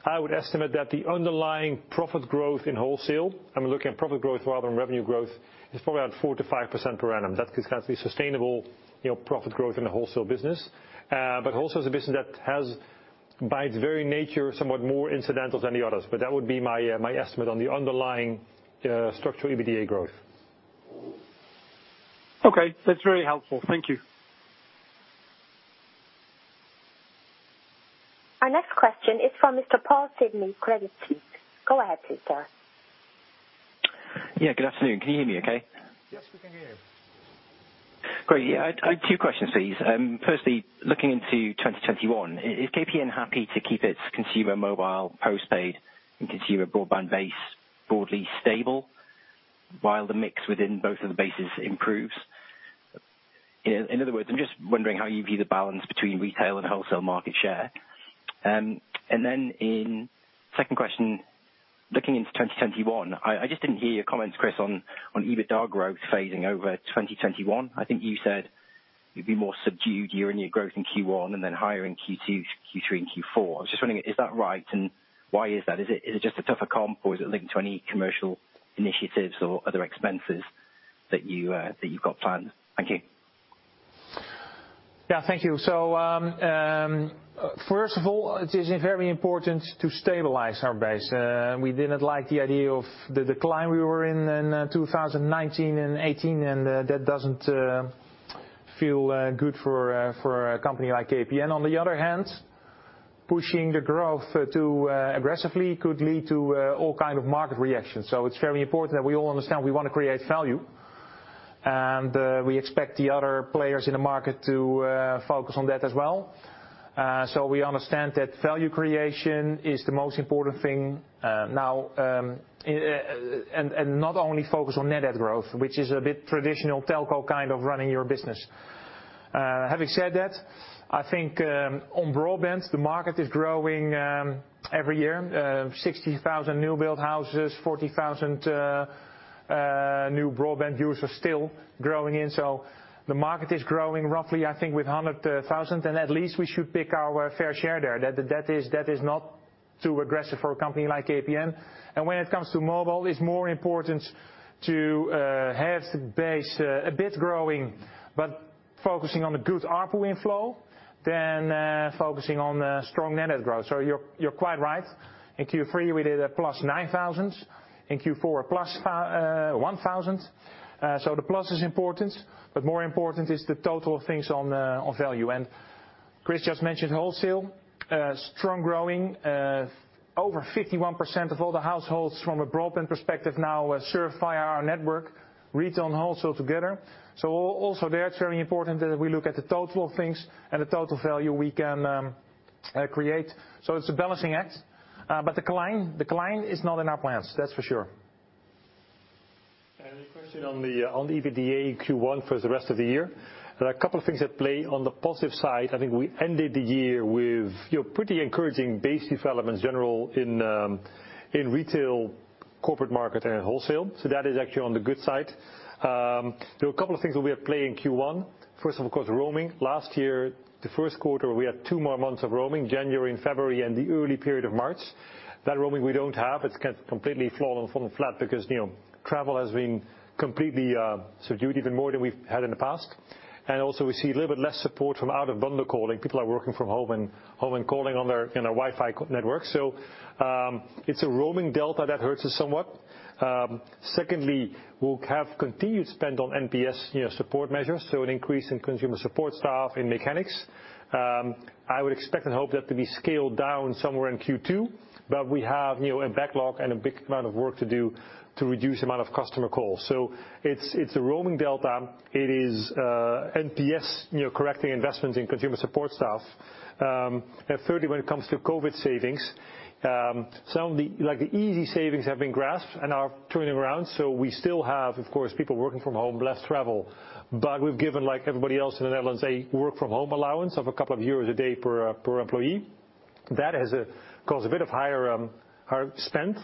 I would estimate that the underlying profit growth in wholesale, I'm looking at profit growth rather than revenue growth, is probably around 4%-5% per annum. That's the sustainable profit growth in the wholesale business. Wholesale is a business that has, by its very nature, somewhat more incidentals than the others. That would be my estimate on the underlying structural EBITDA growth. Okay. That's very helpful. Thank you. Our next question is from Mr. Paul Sidney, Credit Suisse. Go ahead, please, sir. Yeah, good afternoon. Can you hear me okay? Yes, we can hear you. Great. Yeah, I have two questions, please. Firstly, looking into 2021, is KPN happy to keep its consumer mobile postpaid and consumer broadband base broadly stable while the mix within both of the bases improves? In other words, I'm just wondering how you view the balance between retail and wholesale market share. In second question, looking into 2021, I just didn't hear your comments, Chris, on EBITDA growth phasing over 2021. I think you said you'd be more subdued year-on-year growth in Q1 and then higher in Q2, Q3, and Q4. I was just wondering, is that right? Why is that? Is it just a tougher comp or is it linked to any commercial initiatives or other expenses that you've got planned? Thank you. Yeah, thank you. First of all, it is very important to stabilize our base. We didn't like the idea of the decline we were in in 2019 and 2018, that doesn't feel good for a company like KPN. On the other hand, pushing the growth too aggressively could lead to all kind of market reactions. It's very important that we all understand we want to create value, we expect the other players in the market to focus on that as well. We understand that value creation is the most important thing now, not only focus on net add growth, which is a bit traditional telco kind of running your business. Having said that, I think on broadband, the market is growing every year, 60,000 new build houses, 40,000 new broadband users still growing in. The market is growing roughly, I think with 100,000, and at least we should pick our fair share there. That is not. Too aggressive for a company like KPN. When it comes to mobile, it's more important to have the base a bit growing, but focusing on the good ARPU inflow than focusing on strong net add growth. You're quite right. In Q3, we did a +9,000. In Q4, a +1,000. The plus is important, but more important is the total things on value. Chris just mentioned wholesale. Strong growing, over 51% of all the households from a broadband perspective now are served via our network, retail and wholesale together. Also there, it's very important that we look at the total things and the total value we can create. It's a balancing act. The decline is not in our plans, that's for sure. A question on the EBITDA in Q1 for the rest of the year. There are a couple of things at play. On the positive side, I think we ended the year with pretty encouraging base development general in retail, corporate market, and wholesale. That is actually on the good side. There were a couple of things that will be at play in Q1. First of all, of course, roaming. Last year, the first quarter, we had two more months of roaming, January and February and the early period of March. That roaming we don't have. It's completely fallen flat because travel has been completely subdued even more than we've had in the past. Also we see a little bit less support from out-of-bundle calling. People are working from home and calling on their Wi-Fi network. It's a roaming delta that hurts us somewhat. Secondly, we'll have continued spend on NPS support measures, so an increase in consumer support staff and mechanics. I would expect and hope that to be scaled down somewhere in Q2, but we have a backlog and a big amount of work to do to reduce the amount of customer calls. It's a roaming delta. It is NPS correcting investments in consumer support staff. Thirdly, when it comes to COVID savings, some of the easy savings have been grasped and are turning around. We've given, like everybody else in the Netherlands, a work from home allowance of a couple of euro a day per employee. That has caused a bit of higher spend.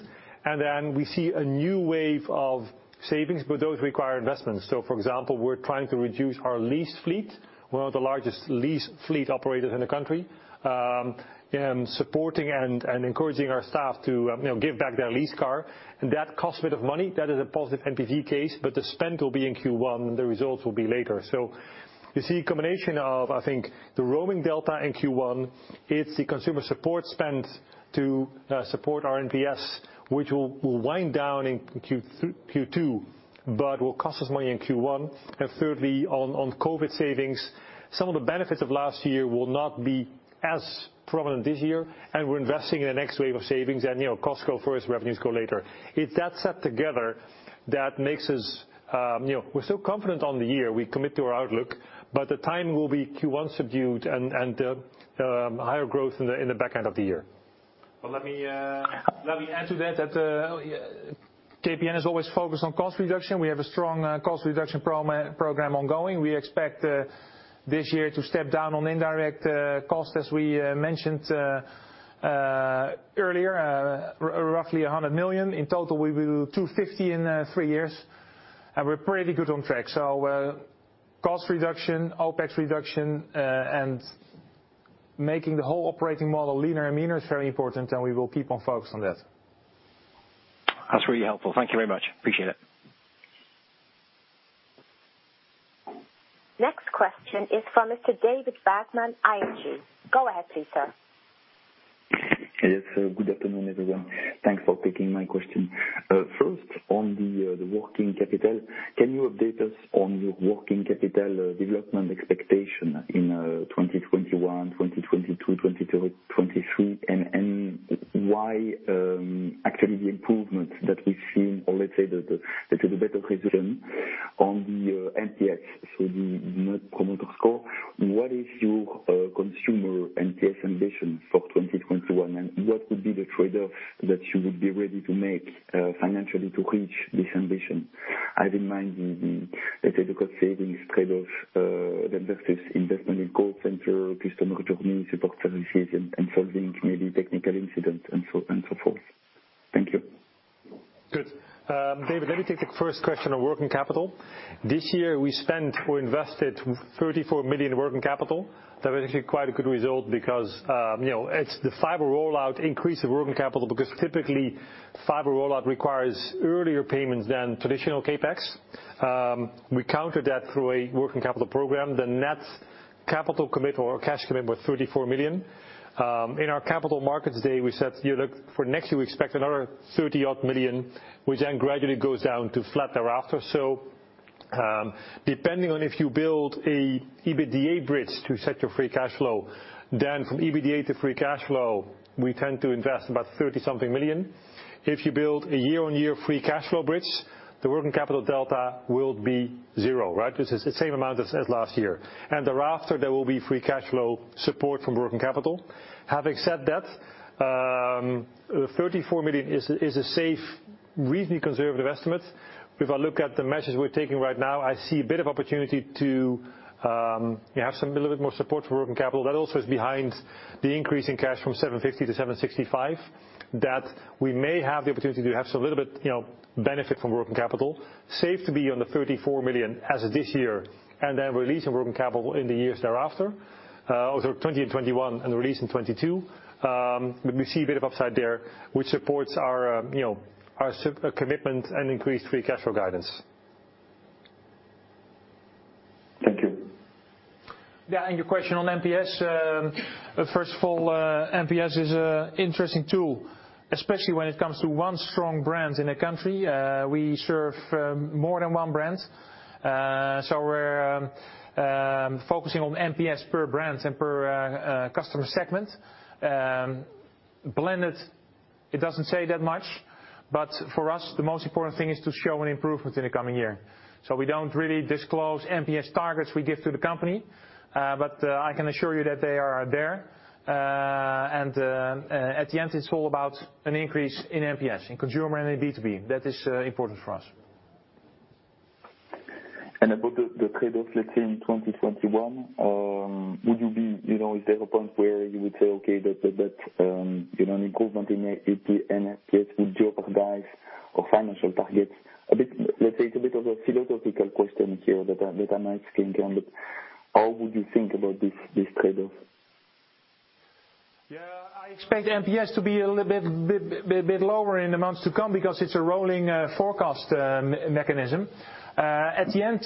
We see a new wave of savings, but those require investments. For example, we're trying to reduce our lease fleet. We're one of the largest lease fleet operators in the country. Supporting and encouraging our staff to give back their lease car. That costs a bit of money. That is a positive NPV case, but the spend will be in Q1, and the results will be later. You see a combination of, I think, the roaming delta in Q1. It's the consumer support spend to support our NPS, which will wind down in Q2 but will cost us money in Q1. Thirdly, on COVID savings, some of the benefits of last year will not be as prominent this year, and we're investing in the next wave of savings. Costs go first, revenues go later. It's that set together that makes us. We're still confident on the year. We commit to our outlook. The timing will be Q1 subdued and higher growth in the back end of the year. Well, let me add to that KPN is always focused on cost reduction. We have a strong cost reduction program ongoing. We expect this year to step down on indirect costs, as we mentioned earlier, roughly 100 million. In total, we will do 250 in three years. We're pretty good on track. Cost reduction, OPEX reduction, and making the whole operating model leaner and meaner is very important, and we will keep on focused on that. That's really helpful. Thank you very much. Appreciate it. Next question is from Mr. David Vagman, ING. Go ahead please, sir. Yes. Good afternoon, everyone. Thanks for taking my question. First, on the working capital, can you update us on your working capital development expectation in 2021, 2022, 2023, and why actually the improvements that we've seen, or let's say the better resolution on the NPS, so the net promoter score, what is your consumer NPS ambition for 2021, and what would be the trade-off that you would be ready to make financially to reach this ambition, having in mind the difficult savings trade-off, the investment in call center, customer journey, support services, and solving maybe technical incidents and so forth? Thank you. David, let me take the first question on working capital. This year, we spent or invested 34 million in working capital. That was actually quite a good result because it's the fiber rollout increase of working capital, because typically fiber rollout requires earlier payments than traditional CapEx. We counter that through a working capital program. The net capital commit or cash commit were 34 million. In our capital markets day, we said for next year, we expect another 30-odd million, which then gradually goes down to flat thereafter. Depending on if you build a EBITDA bridge to set your free cash flow, then from EBITDA to free cash flow, we tend to invest about 30-something million. If you build a year-on-year free cash flow bridge, the working capital delta will be zero, right? Which is the same amount as last year. Thereafter, there will be free cash flow support from working capital. Having said that, 34 million is a safe, reasonably conservative estimate. If I look at the measures we're taking right now, I see a bit of opportunity to have a little bit more support for working capital. That also is behind the increase in cash from 750-765. That we may have the opportunity to have a little bit benefit from working capital, safe to be on the 34 million as of this year, and then release in working capital in the years thereafter. 2020 and 2021, and release in 2022. We see a bit of upside there, which supports our commitment and increased free cash flow guidance. Thank you. Yeah. Your question on NPS. First of all, NPS is an interesting tool, especially when it comes to one strong brand in a country. We serve more than one brand. We're focusing on NPS per brand and per customer segment. Blended, it doesn't say that much, but for us, the most important thing is to show an improvement in the coming year. We don't really disclose NPS targets we give to the company, but I can assure you that they are there. At the end, it's all about an increase in NPS, in consumer and in B2B. That is important for us. About the trade-off, let's say, in 2021, is there a point where you would say, okay, that an improvement in NPS would jeopardize our financial targets? Let's say it's a bit of a philosophical question here that I might think on, but how would you think about this trade-off? I expect NPS to be a little bit lower in the months to come because it's a rolling forecast mechanism. At the end,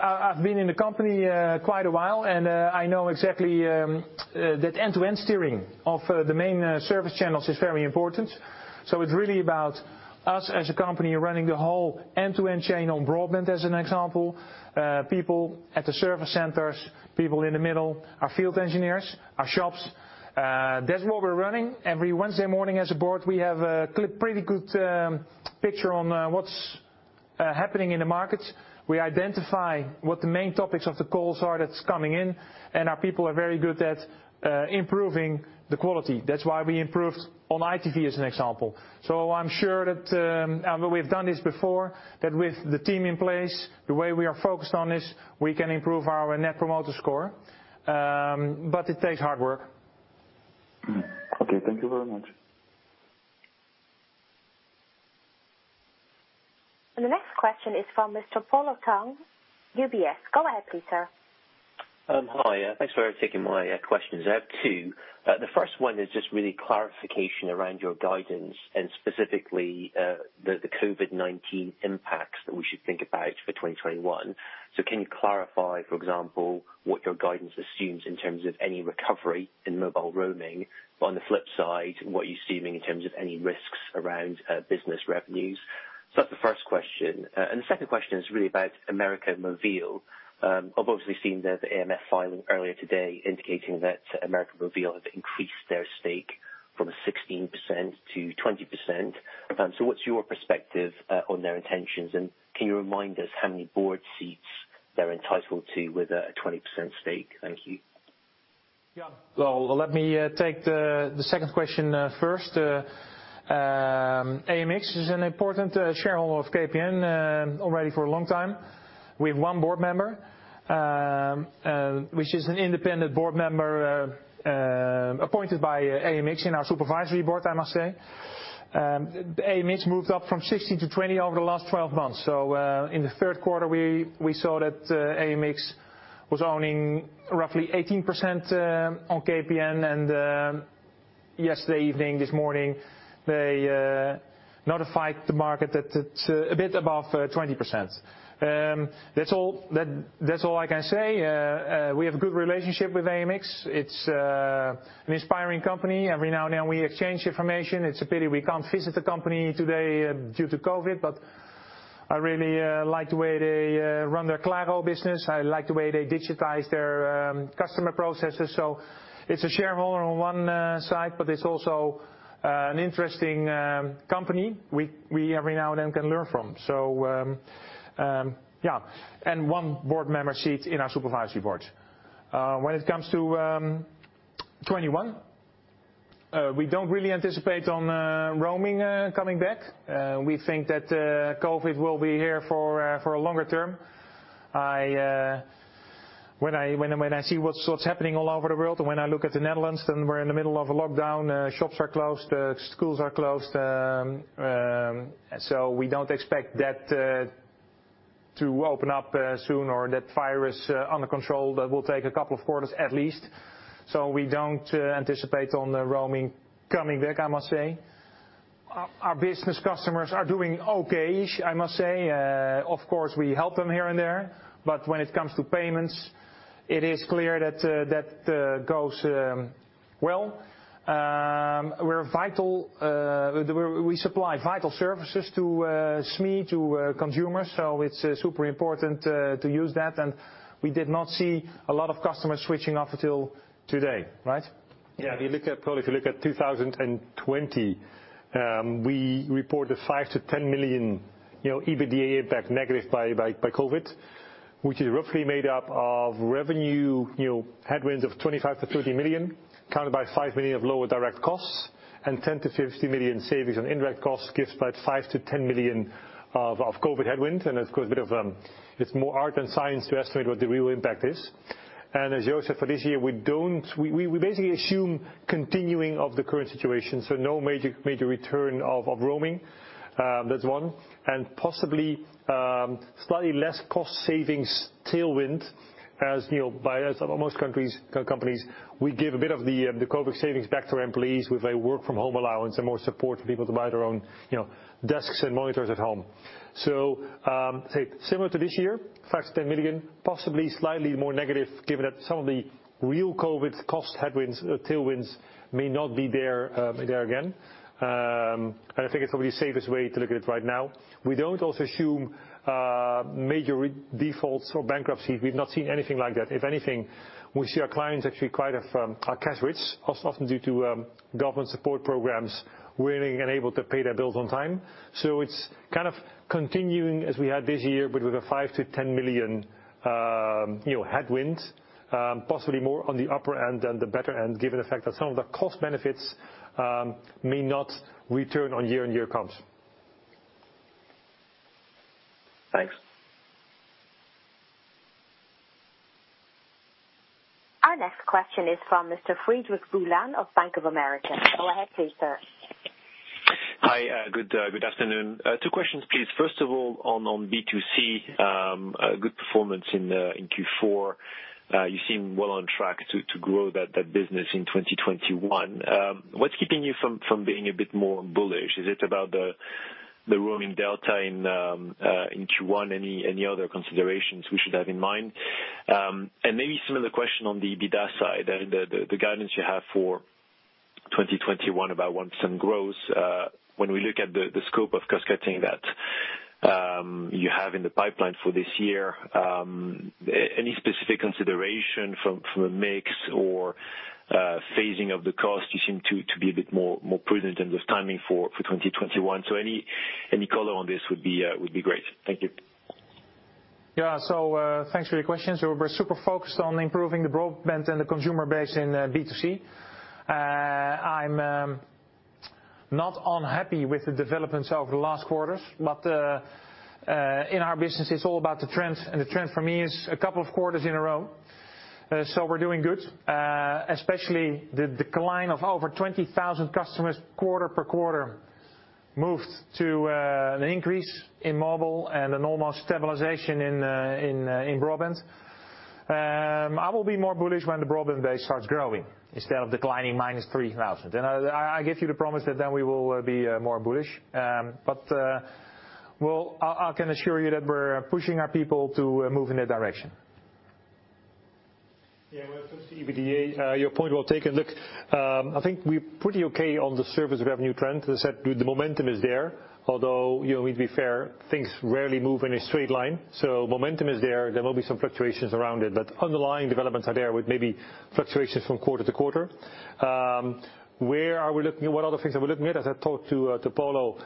I've been in the company quite a while, and I know exactly that end-to-end steering of the main service channels is very important. It's really about us as a company running the whole end-to-end chain on broadband as an example. People at the service centers, people in the middle, our field engineers, our shops, that's what we're running. Every Wednesday morning as a board, we have a pretty good picture on what's happening in the markets. We identify what the main topics of the calls are that's coming in, and our people are very good at improving the quality. That's why we improved on iTV as an example. I'm sure that we've done this before, that with the team in place, the way we are focused on this, we can improve our Net Promoter Score. It takes hard work. Okay. Thank you very much. The next question is from Mr. Polo Tang, UBS. Go ahead, please, sir. Hi, thanks for taking my questions. I have two. The first one is just really clarification around your guidance and specifically, the COVID-19 impacts that we should think about for 2021. Can you clarify, for example, what your guidance assumes in terms of any recovery in mobile roaming? On the flip side, what you're assuming in terms of any risks around business revenues? That's the first question. The second question is really about América Móvil. I've obviously seen the AFM filing earlier today indicating that América Móvil have increased their stake from 16%-20%. What's your perspective on their intentions, and can you remind us how many board seats they're entitled to with a 20% stake? Thank you. Well, let me take the second question first. AMX is an important shareholder of KPN already for a long time. We have one board member, which is an independent board member appointed by AMX in our supervisory board, I must say. AMX moved up from 16-20 over the last 12 months. In the third quarter, we saw that AMX was owning roughly 18% on KPN, and yesterday evening, this morning, they notified the market that it's a bit above 20%. That's all I can say. We have a good relationship with AMX. It's an inspiring company. Every now and then, we exchange information. It's a pity we can't visit the company today due to COVID-19, but I really like the way they run their Claro business. I like the way they digitize their customer processes. It's a shareholder on one side, but it's also an interesting company we every now and then can learn from. Yeah. One board member seat in our supervisory board. When it comes to 2021, we don't really anticipate on roaming coming back. We think that COVID-19 will be here for a longer term. When I see what's happening all over the world, when I look at the Netherlands, we're in the middle of a lockdown. Shops are closed, schools are closed. We don't expect that to open up soon or that virus under control. That will take a couple of quarters at least. We don't anticipate on the roaming coming back, I must say. Our business customers are doing okay-ish, I must say. Of course, we help them here and there, but when it comes to payments, it is clear that that goes well. We supply vital services to SME, to consumers, so it's super important to use that, and we did not see a lot of customers switching off until today, right? Yeah, Polo, if you look at 2020, we reported 5 million-10 million EBITDA impact negative by COVID-19, which is roughly made up of revenue headwinds of 25 million-30 million, countered by 5 million of lower direct costs and 10 million-50 million savings on indirect costs gives about 5 million-10 million of COVID-19 headwind. Of course, it is more art than science to estimate what the real impact is. As Joost, for this year, we basically assume continuing of the current situation. No major return of roaming. That is one. Possibly, slightly less cost savings tailwind as by most companies. We give a bit of the COVID-19 savings back to our employees with a work-from-home allowance and more support for people to buy their own desks and monitors at home. Similar to this year, 5 million-10 million, possibly slightly more negative, given that some of the real COVID cost headwinds, tailwinds may not be there again. I think it's probably the safest way to look at it right now. We don't also assume major defaults or bankruptcies. We've not seen anything like that. If anything, we see our clients actually are cash rich, often due to government support programs, willing and able to pay their bills on time. It's kind of continuing as we had this year, but with 5 million-10 million headwinds. Possibly more on the upper end than the better end, given the fact that some of the cost benefits may not return on year-on-year comps. Thanks. Our next question is from Mr. Frederic Boulan of Bank of America. Go ahead please, sir. Hi, good afternoon. Two questions, please. First of all, on B2C, good performance in Q4. You seem well on track to grow that business in 2021. What's keeping you from being a bit more bullish? Is it about the roaming delta in Q1? Any other considerations we should have in mind? Maybe similar question on the EBITDA side, the guidance you have for 2021, about 1% growth. When we look at the scope of cost-cutting that you have in the pipeline for this year, any specific consideration from a mix or phasing of the cost? You seem to be a bit more prudent in this timing for 2021. Any color on this would be great. Thank you. Thanks for your questions. We're super focused on improving the broadband and the consumer base in B2C. I'm not unhappy with the developments over the last quarters. In our business, it's all about the trends, and the trend for me is a couple of quarters in a row. We're doing good. Especially the decline of over 20,000 customers quarter per quarter moved to an increase in mobile and an almost stabilization in broadband. I will be more bullish when the broadband base starts growing instead of declining minus 3,000. I give you the promise that then we will be more bullish. I can assure you that we're pushing our people to move in that direction. When it comes to EBITDA, your point well taken. I think we're pretty okay on the service revenue trend. I said, the momentum is there, we need to be fair, things rarely move in a straight line. Momentum is there. There will be some fluctuations around it. Underlying developments are there, with maybe fluctuations from quarter to quarter. What other things are we looking at? I talked to Polo,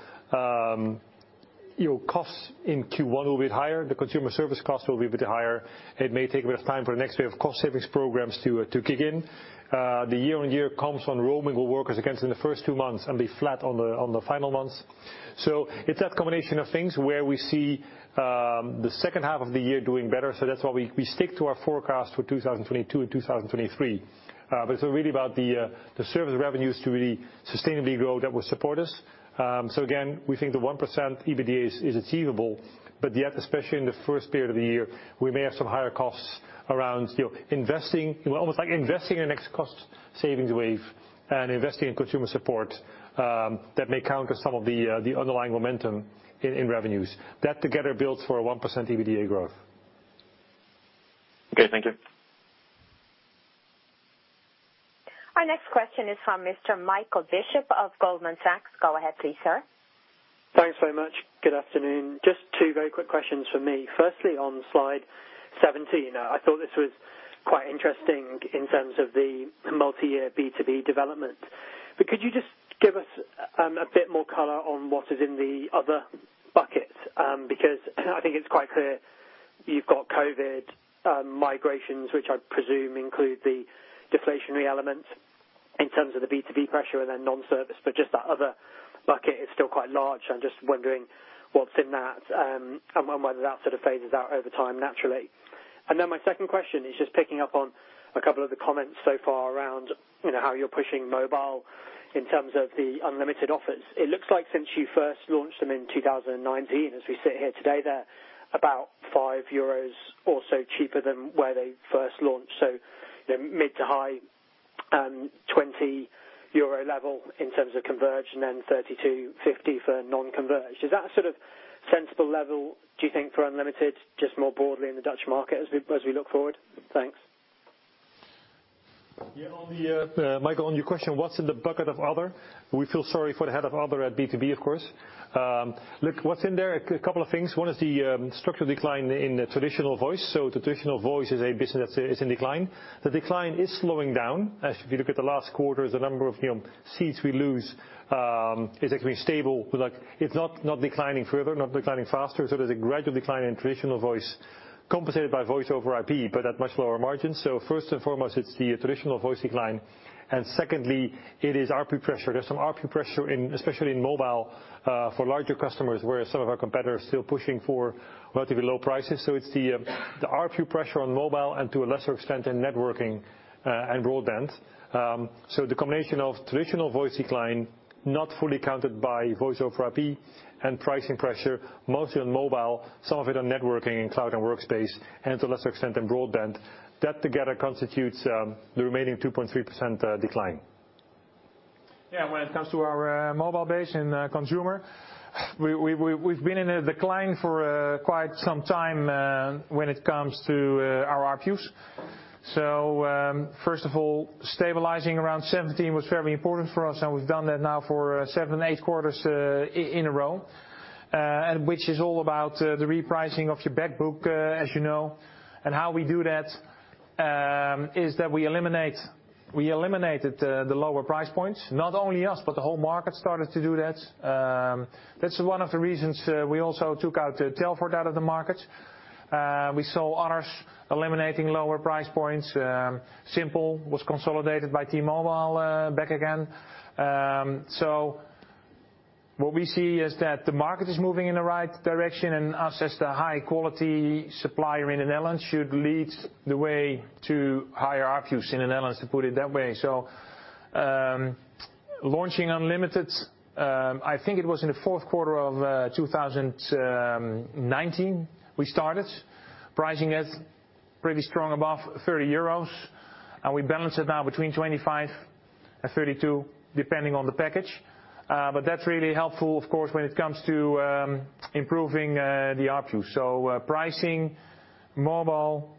costs in Q1 will be higher. The consumer service cost will be a bit higher. It may take a bit of time for the next wave of cost savings programs to kick in. The year-on-year comps on roaming will work as against in the first two months and be flat on the final months. It's that combination of things where we see the second half of the year doing better. That's why we stick to our forecast for 2022 and 2023. It's really about the service revenues to really sustainably grow that will support us. Again, we think the 1% EBITDA is achievable, but yet, especially in the first period of the year, we may have some higher costs around investing, almost like investing in next cost savings wave and investing in consumer support. That may counter some of the underlying momentum in revenues. That together builds for a 1% EBITDA growth. Okay, thank you. Our next question is from Mr. Michael Bishop of Goldman Sachs. Go ahead please, sir. Thanks very much. Good afternoon. Just two very quick questions from me. Firstly, on slide 17, I thought this was quite interesting in terms of the multi-year B2B development. Could you just give us a bit more color on what is in the other buckets? I think it's quite clear you've got COVID-19 migrations, which I presume include the deflationary element in terms of the B2B pressure and then non-service. Just that other bucket is still quite large. I'm just wondering what's in that, and whether that sort of phases out over time naturally. My second question is just picking up on a couple of the comments so far around how you're pushing mobile in terms of the unlimited offers. It looks like since you first launched them in 2019, as we sit here today, they're about 5 euros or so cheaper than where they first launched. Mid to high, 20 euro level in terms of converged and then 30-50 for non-converged. Is that a sort of sensible level, do you think, for unlimited, just more broadly in the Dutch market as we look forward? Thanks. Yeah, Michael, on your question, what's in the bucket of other? We feel sorry for the head of other at B2B, of course. What's in there, a couple of things. One is the structural decline in traditional voice. Traditional voice is a business that is in decline. The decline is slowing down. If you look at the last quarter, the number of seats we lose. It's actually stable. It's not declining further, not declining faster. There's a gradual decline in traditional voice, compensated by voice over IP, but at much lower margins. First and foremost, it's the traditional voice decline. Secondly, it is ARPU pressure. There's some ARPU pressure especially in mobile for larger customers, where some of our competitors are still pushing for relatively low prices. It's the ARPU pressure on mobile and to a lesser extent, in networking and broadband. The combination of traditional voice decline, not fully counted by Voice over IP, and pricing pressure, mostly on mobile, some of it on networking and cloud and Workspace, and to a lesser extent on broadband. That together constitutes the remaining 2.3% decline. Yeah. When it comes to our mobile base in consumer, we've been in a decline for quite some time when it comes to our ARPUs. First of all, stabilizing around 17 was very important for us, and we've done that now for seven, eight quarters in a row, which is all about the repricing of your back book, as you know. How we do that is that we eliminated the lower price points. Not only us, but the whole market started to do that. That's one of the reasons we also took out Telfort out of the market. We saw others eliminating lower price points. Youfone was consolidated by T-Mobile back again. What we see is that the market is moving in the right direction, and us as the high-quality supplier in the Netherlands should lead the way to higher ARPUs in the Netherlands, to put it that way. Launching unlimited, I think it was in the fourth quarter of 2019 we started. Pricing it pretty strong above 30 euros, and we balance it now between 25 and 32, depending on the package. That's really helpful, of course, when it comes to improving the ARPU. Pricing, mobile,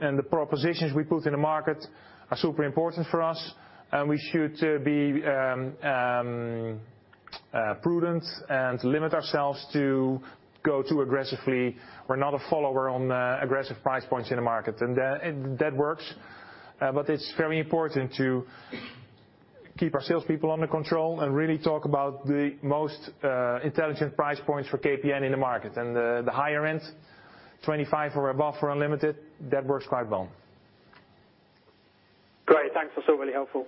and the propositions we put in the market are super important for us, and we should be prudent and limit ourselves to go too aggressively. We're not a follower on aggressive price points in the market. That works. It's very important to keep our salespeople under control and really talk about the most intelligent price points for KPN in the market. The higher end, 25 or above for unlimited, that works quite well. Great. Thanks. That's all really helpful.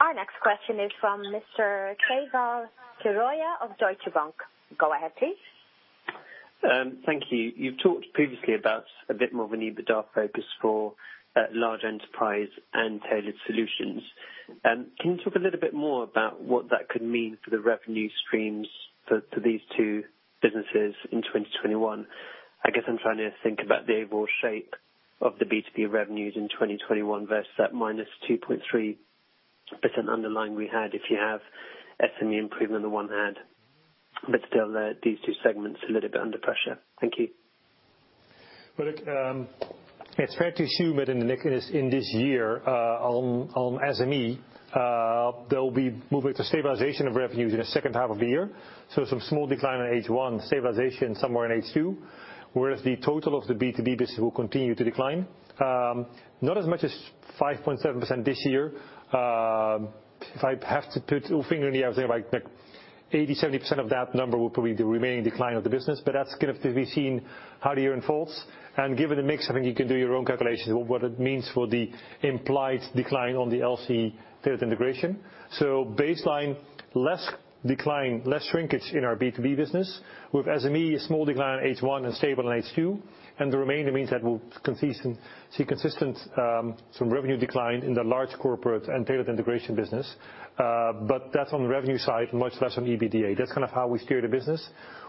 Our next question is from Mr. Keval Khiroya of Deutsche Bank. Go ahead, please. Thank you. You've talked previously about a bit more of an EBITDA focus for large enterprise and tailored solutions. Can you talk a little bit more about what that could mean for the revenue streams for these two businesses in 2021? I guess I'm trying to think about the overall shape of the B2B revenues in 2021 versus that minus 2.3% underlying we had if you have SME improvement on one hand, but still these two segments a little bit under pressure. Thank you. Well, look, it's fair to assume that in this year, on SME, there'll be movement to stabilization of revenues in the second half of the year. Some small decline in H1, stabilization somewhere in H2, whereas the total of the B2B business will continue to decline. Not as much as 5.7% this year. If I have to put a finger in the air, I would say like 80%, 70% of that number will probably be the remaining decline of the business, but that's going to have to be seen how the year unfolds. Given the mix, I think you can do your own calculations on what it means for the implied decline on the LCE tailored integration. Baseline, less decline, less shrinkage in our B2B business. With SME, a small decline in H1 and stable in H2. The remainder means that we'll see consistent revenue decline in the large corporate and tailored integration business. That's on the revenue side, much less on EBITDA. That's how we steer the business.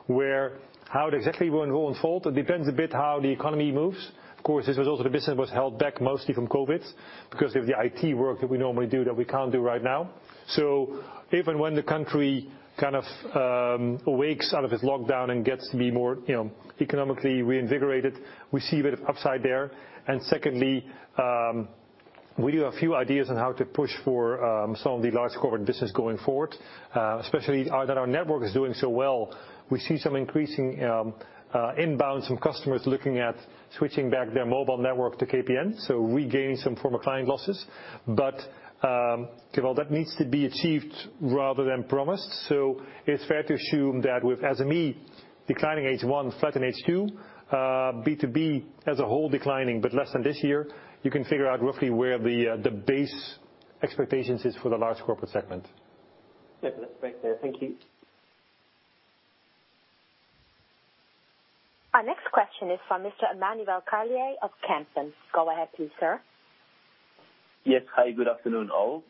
Where, how it exactly will unfold, it depends a bit how the economy moves. Of course, this was also the business was held back mostly from COVID-19 because of the IT work that we normally do that we can't do right now. Even when the country awakes out of its lockdown and gets to be more economically reinvigorated, we see a bit of upside there. Secondly, we do have a few ideas on how to push for some of the large corporate business going forward. Especially now that our network is doing so well, we see some increasing inbound, some customers looking at switching back their mobile network to KPN, so regaining some former client losses. Given all that needs to be achieved rather than promised. It's fair to assume that with SME declining H1, flat in H2, B2B as a whole declining, but less than this year, you can figure out roughly where the base expectations is for the large corporate segment. Yeah. That's great to hear. Thank you. Our next question is from Mr. Emmanuel Carlier of Kempen. Go ahead please, sir. Yes. Hi, good afternoon, all.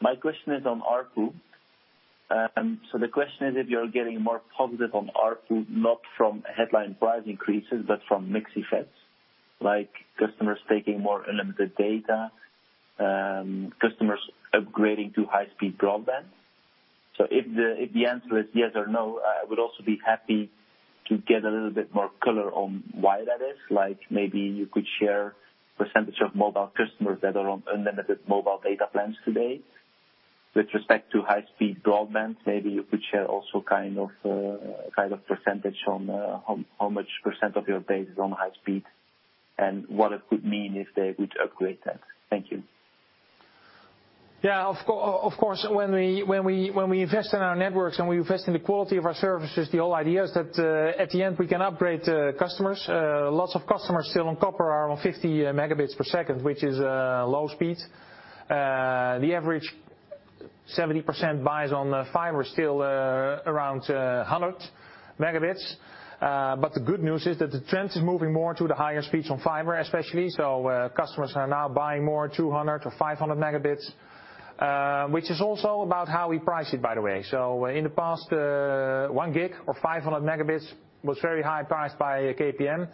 My question is on ARPU. The question is, if you're getting more positive on ARPU, not from headline price increases, but from mix effects, like customers taking more unlimited data, customers upgrading to high-speed broadband. If the answer is yes or no, I would also be happy to get a little bit more color on why that is. Maybe you could share percentage of mobile customers that are on unlimited mobile data plans today. With respect to high-speed broadband, maybe you could share also a kind of percentage on how much % of your base is on high speed and what it could mean if they would upgrade that. Thank you. Of course. When we invest in our networks and we invest in the quality of our services, the whole idea is that at the end, we can upgrade customers. Lots of customers still on copper are on 50 Mbps, which is low speed. The average 70% buys on fiber still, around 100 Mb. The good news is that the trend is moving more to the higher speeds on fiber, especially. Customers are now buying more 200 Mb or 500 Mb. Which is also about how we price it, by the way. In the past, 1 gig or 500 Mb was very high priced by KPN.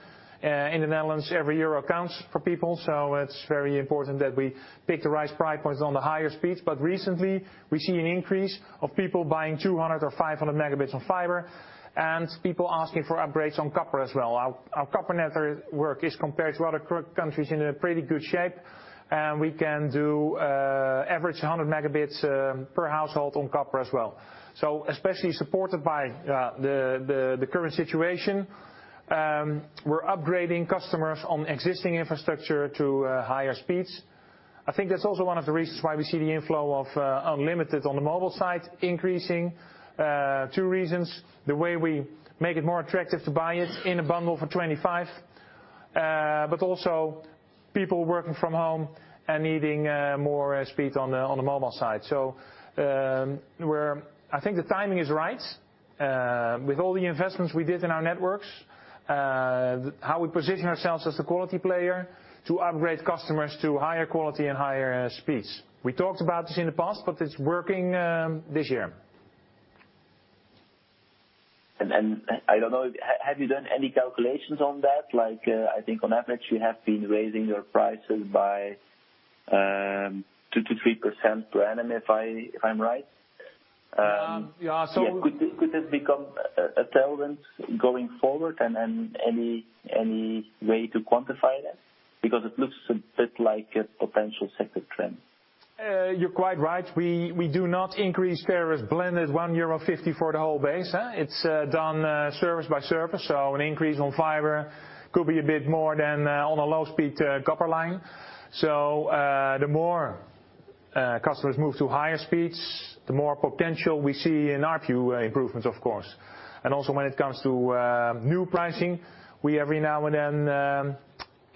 In the Netherlands, every EUR counts for people, so it's very important that we pick the right price points on the higher speeds. Recently we see an increase of people buying 200 Mb or 500 Mb on fiber and people asking for upgrades on copper as well. Our copper network is, compared to other countries, in a pretty good shape. We can do average 100 Mb per household on copper as well. Especially supported by the current situation, we're upgrading customers on existing infrastructure to higher speeds. I think that's also one of the reasons why we see the inflow of unlimited on the mobile side increasing. Two reasons: the way we make it more attractive to buy it in a bundle for 25, but also people working from home and needing more speed on the mobile side. I think the timing is right. With all the investments we did in our networks, how we position ourselves as a quality player to upgrade customers to higher quality and higher speeds. We talked about this in the past, but it's working this year. I don't know, have you done any calculations on that? I think on average you have been raising your prices by 2%-3% per annum, if I'm right. Yeah. Could this become a tailwind going forward and any way to quantify that? Because it looks a bit like a potential sector trend. You are quite right. We do not increase tariffs blended 1.50 euro for the whole base. It is done service by service. An increase on fiber could be a bit more than on a low-speed copper line. The more customers move to higher speeds, the more potential we see in our Q improvements of course. Also when it comes to new pricing, we every now and then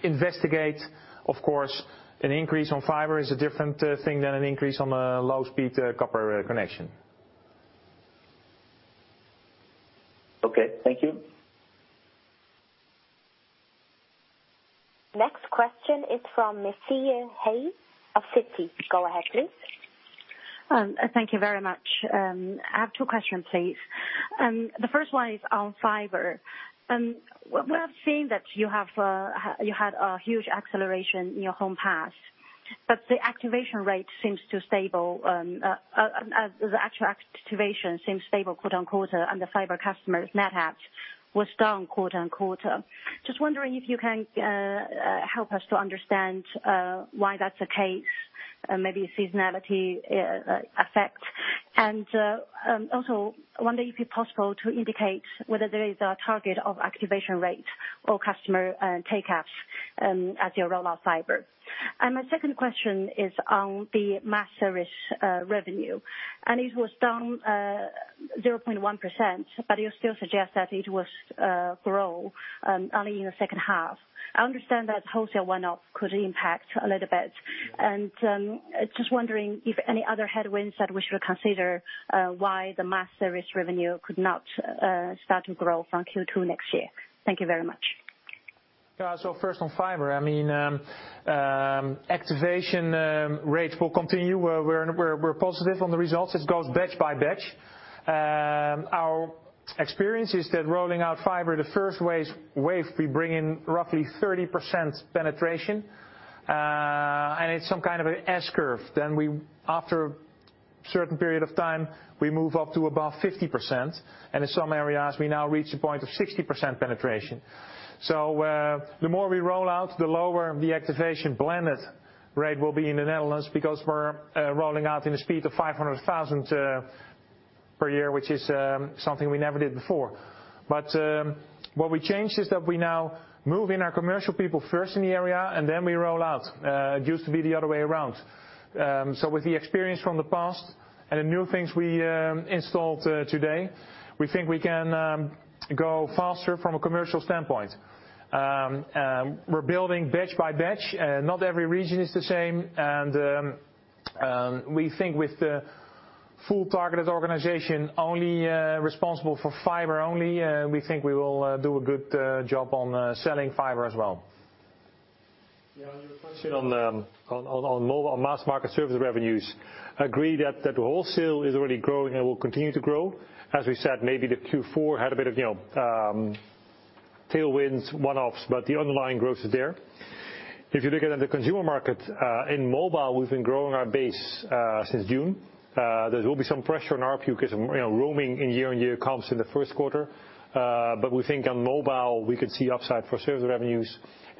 investigate. Of course, an increase on fiber is a different thing than an increase on a low-speed copper connection. Okay, thank you. Next question is from Siyi He of Citi. Go ahead, please. Thank you very much. I have two questions, please. The first one is on fiber. We have seen that you had a huge acceleration in your home pass, but the actual activation seems stable quarter-on-quarter, and the fiber customers net add was down quarter-on-quarter. Just wondering if you can help us to understand why that's the case, maybe seasonality effect. Also, I wonder if it's possible to indicate whether there is a target of activation rate or customer take ups as you roll out fiber. My second question is on the Mass Service revenue, it was down 0.1%, you still suggest that it will grow only in the second half. I understand that wholesale one up could impact a little bit, and just wondering if any other headwinds that we should consider why the Mass Service revenue could not start to grow from Q2 next year. Thank you very much. Yeah. First on fiber. Activation rates will continue. We're positive on the results. It goes batch by batch. Our experience is that rolling out fiber, the first wave we bring in roughly 30% penetration. It's some kind of an S-curve. After a certain period of time, we move up to above 50%, and in some areas we now reach a point of 60% penetration. The more we roll out, the lower the activation blended rate will be in the Netherlands because we're rolling out in a speed of 500,000 per year, which is something we never did before. What we changed is that we now move in our commercial people first in the area, and then we roll out. It used to be the other way around. With the experience from the past and the new things we installed today, we think we can go faster from a commercial standpoint. We're building batch by batch. Not every region is the same, and we think with the full targeted organization only responsible for fiber only, we think we will do a good job on selling fiber as well. Yeah, on your question on mobile and mass market service revenues. Agree that the wholesale is already growing and will continue to grow. As we said, maybe the Q4 had. Tailwinds, one-offs. The underlying growth is there. If you look at the consumer market, in mobile, we've been growing our base since June. There will be some pressure on ARPU because roaming year-on-year comps in the first quarter. We think on mobile we could see upside for service revenues.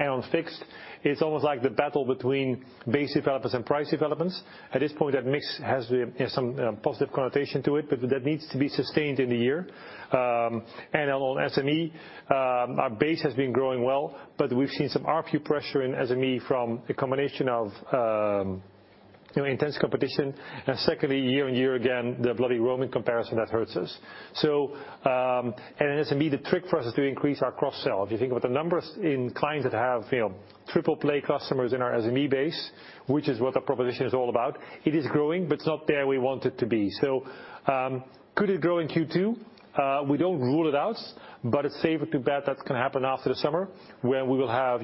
On fixed, it's almost like the battle between base developments and price developments. At this point, that mix has some positive connotation to it, but that needs to be sustained in the year. On SME, our base has been growing well, but we've seen some ARPU pressure in SME from a combination of intense competition. Secondly, year-on-year again, the bloody roaming comparison that hurts us. In SME, the trick for us is to increase our cross-sell. If you think about the numbers in clients that have triple play customers in our SME base, which is what the proposition is all about, it is growing, but it's not there we want it to be. Could it grow in Q2? We don't rule it out, but it's safer to bet that's going to happen after the summer where we will have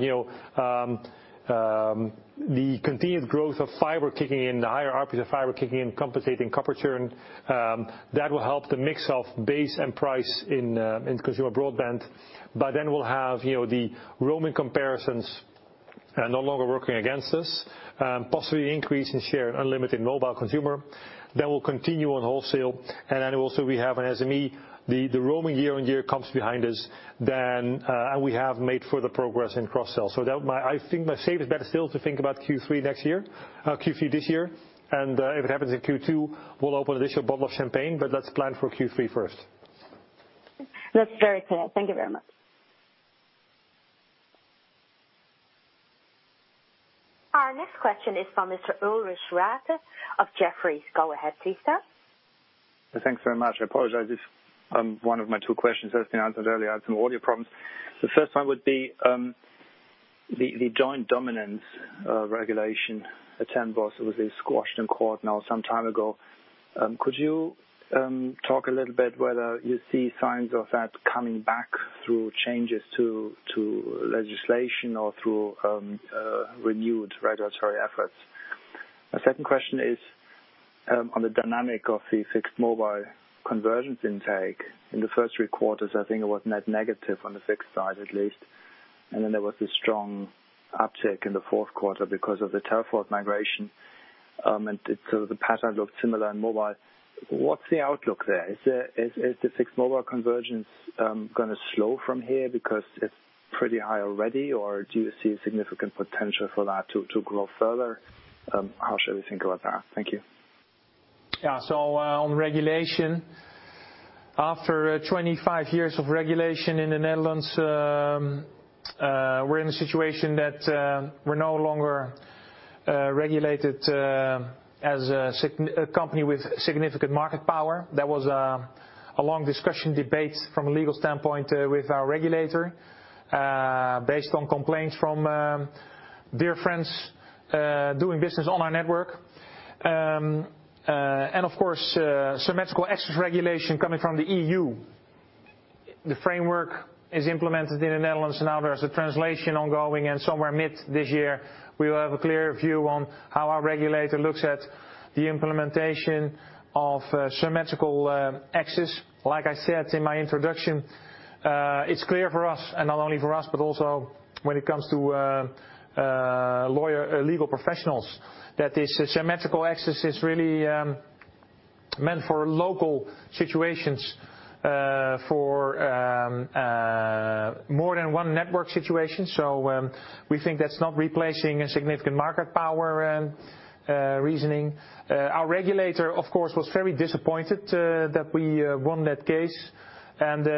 the continued growth of fiber kicking in, the higher ARPU of fiber kicking in, compensating copper churn. That will help the mix of base and price in consumer broadband. By then we'll have the roaming comparisons no longer working against us, possibly increase in share unlimited mobile consumer. That will continue on wholesale. Then also we have on SME, the roaming year-on-year comps behind us. We have made further progress in cross-sell. I think my safe is better still to think about Q3 this year and if it happens in Q2, we'll open an additional bottle of champagne, but let's plan for Q3 first. That's very clear. Thank you very much. Our next question is from Mr. Ulrich Rathe of Jefferies. Go ahead, please sir. Thanks very much. I apologize if one of my two questions has been answered earlier. I had some audio problems. The first one would be, the joint dominance regulation at ACM, it was squashed in court now some time ago. Could you talk a little bit whether you see signs of that coming back through changes to legislation or through renewed regulatory efforts? My second question is on the dynamic of the fixed mobile convergence intake. In the first three quarters, I think it was net negative on the fixed side, at least. There was a strong uptick in the fourth quarter because of the Telfort migration, and the pattern looked similar in mobile. What's the outlook there? Is the fixed mobile convergence going to slow from here because it's pretty high already, or do you see significant potential for that to grow further? How should we think about that? Thank you. Yeah. On regulation, after 25 years of regulation in the Netherlands, we're in a situation that we're no longer regulated as a company with significant market power. That was a long discussion, debate from a legal standpoint with our regulator, based on complaints from dear friends doing business on our network. Of course, symmetrical access regulation coming from the E.U. The framework is implemented in the Netherlands, and now there's a translation ongoing, and somewhere mid this year, we will have a clearer view on how our regulator looks at the implementation of symmetrical access. Like I said in my introduction, it's clear for us, and not only for us, but also when it comes to legal professionals, that this symmetrical access is really meant for local situations, for more than one network situation. We think that's not replacing a significant market power reasoning. Our regulator, of course, was very disappointed that we won that case. We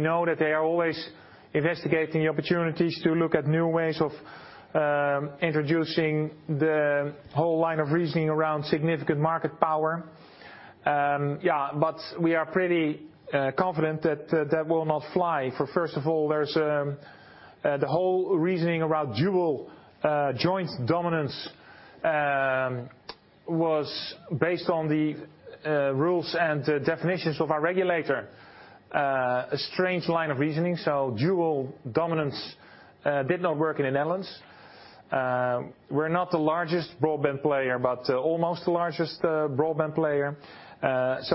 know that they are always investigating the opportunities to look at new ways of introducing the whole line of reasoning around significant market power. We are pretty confident that that will not fly. First of all, the whole reasoning around dual joint dominance, was based on the rules and definitions of our regulator. A strange line of reasoning. Dual dominance did not work in the Netherlands. We're not the largest broadband player, but almost the largest broadband player.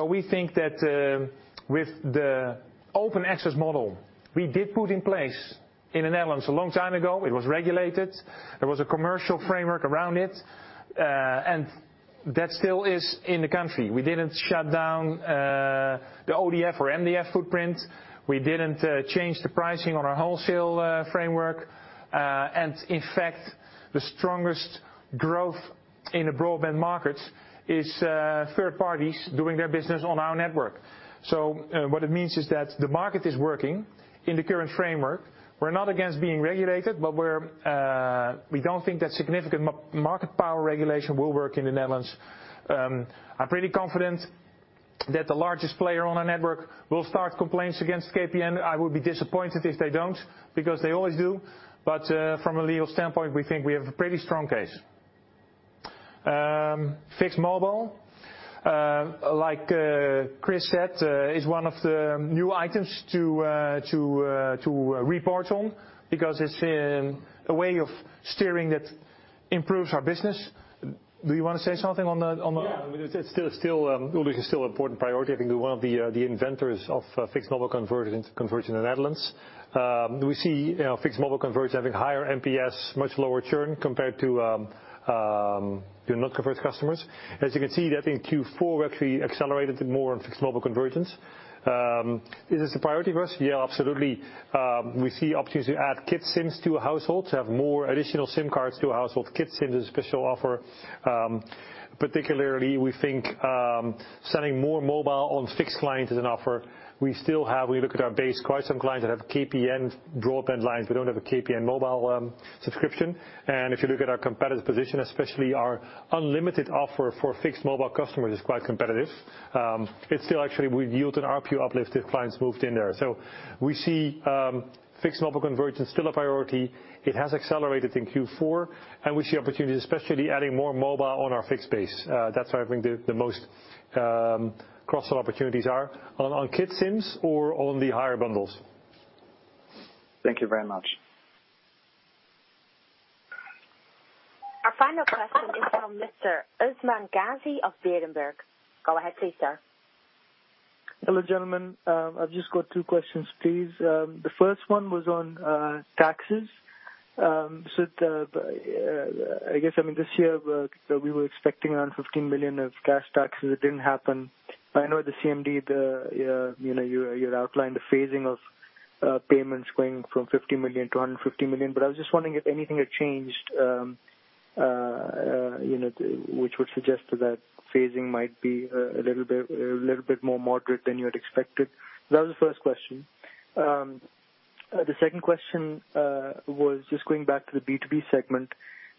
We think that with the open access model we did put in place in the Netherlands a long time ago, it was regulated. There was a commercial framework around it, and that still is in the country. We didn't shut down the ODF or MDF footprint. We didn't change the pricing on our wholesale framework. In fact, the strongest growth in the broadband markets is third parties doing their business on our network. What it means is that the market is working in the current framework. We're not against being regulated, but we don't think that significant market power regulation will work in the Netherlands. I'm pretty confident that the largest player on our network will start complaints against KPN. I would be disappointed if they don't, because they always do. From a legal standpoint, we think we have a pretty strong case. Fixed mobile, like Chris said, is one of the new items to report on, because it's a way of steering that improves our business. Do you want to say something on that? It's still an important priority. I think we're one of the inventors of fixed mobile conversion in the Netherlands. We see fixed mobile conversion having higher NPS, much lower churn compared to your not converted customers. As you can see, that in Q4, we actually accelerated it more on fixed mobile conversions. Is this a priority for us? Absolutely. We see opportunities to add Kids Sims to a household, to have more additional SIM cards to a household. Kids Sim is a special offer. Particularly, we think selling more mobile on fixed lines is an offer. We still have, we look at our base, quite some clients that have KPN broadband lines but don't have a KPN mobile subscription. If you look at our competitive position, especially our unlimited offer for fixed mobile customers, is quite competitive. It's still actually we've yielded ARPU uplift if clients moved in there. We see fixed mobile conversion still a priority. It has accelerated in Q4, and we see opportunities, especially adding more mobile on our fixed base. That's where I think the most cross-sell opportunities are, on Kids Sims or on the higher bundles. Thank you very much. Our final question is from Mr. Usman Ghazi of Berenberg. Go ahead please, sir. Hello, gentlemen. I've just got two questions, please. The first one was on taxes. I guess, this year, we were expecting around 15 million of cash taxes. It didn't happen. I know at the CMD, you outlined the phasing of payments going from 50 million-150 million, but I was just wondering if anything had changed, which would suggest that phasing might be a little bit more moderate than you had expected. That was the first question. The second question was just going back to the B2B segment.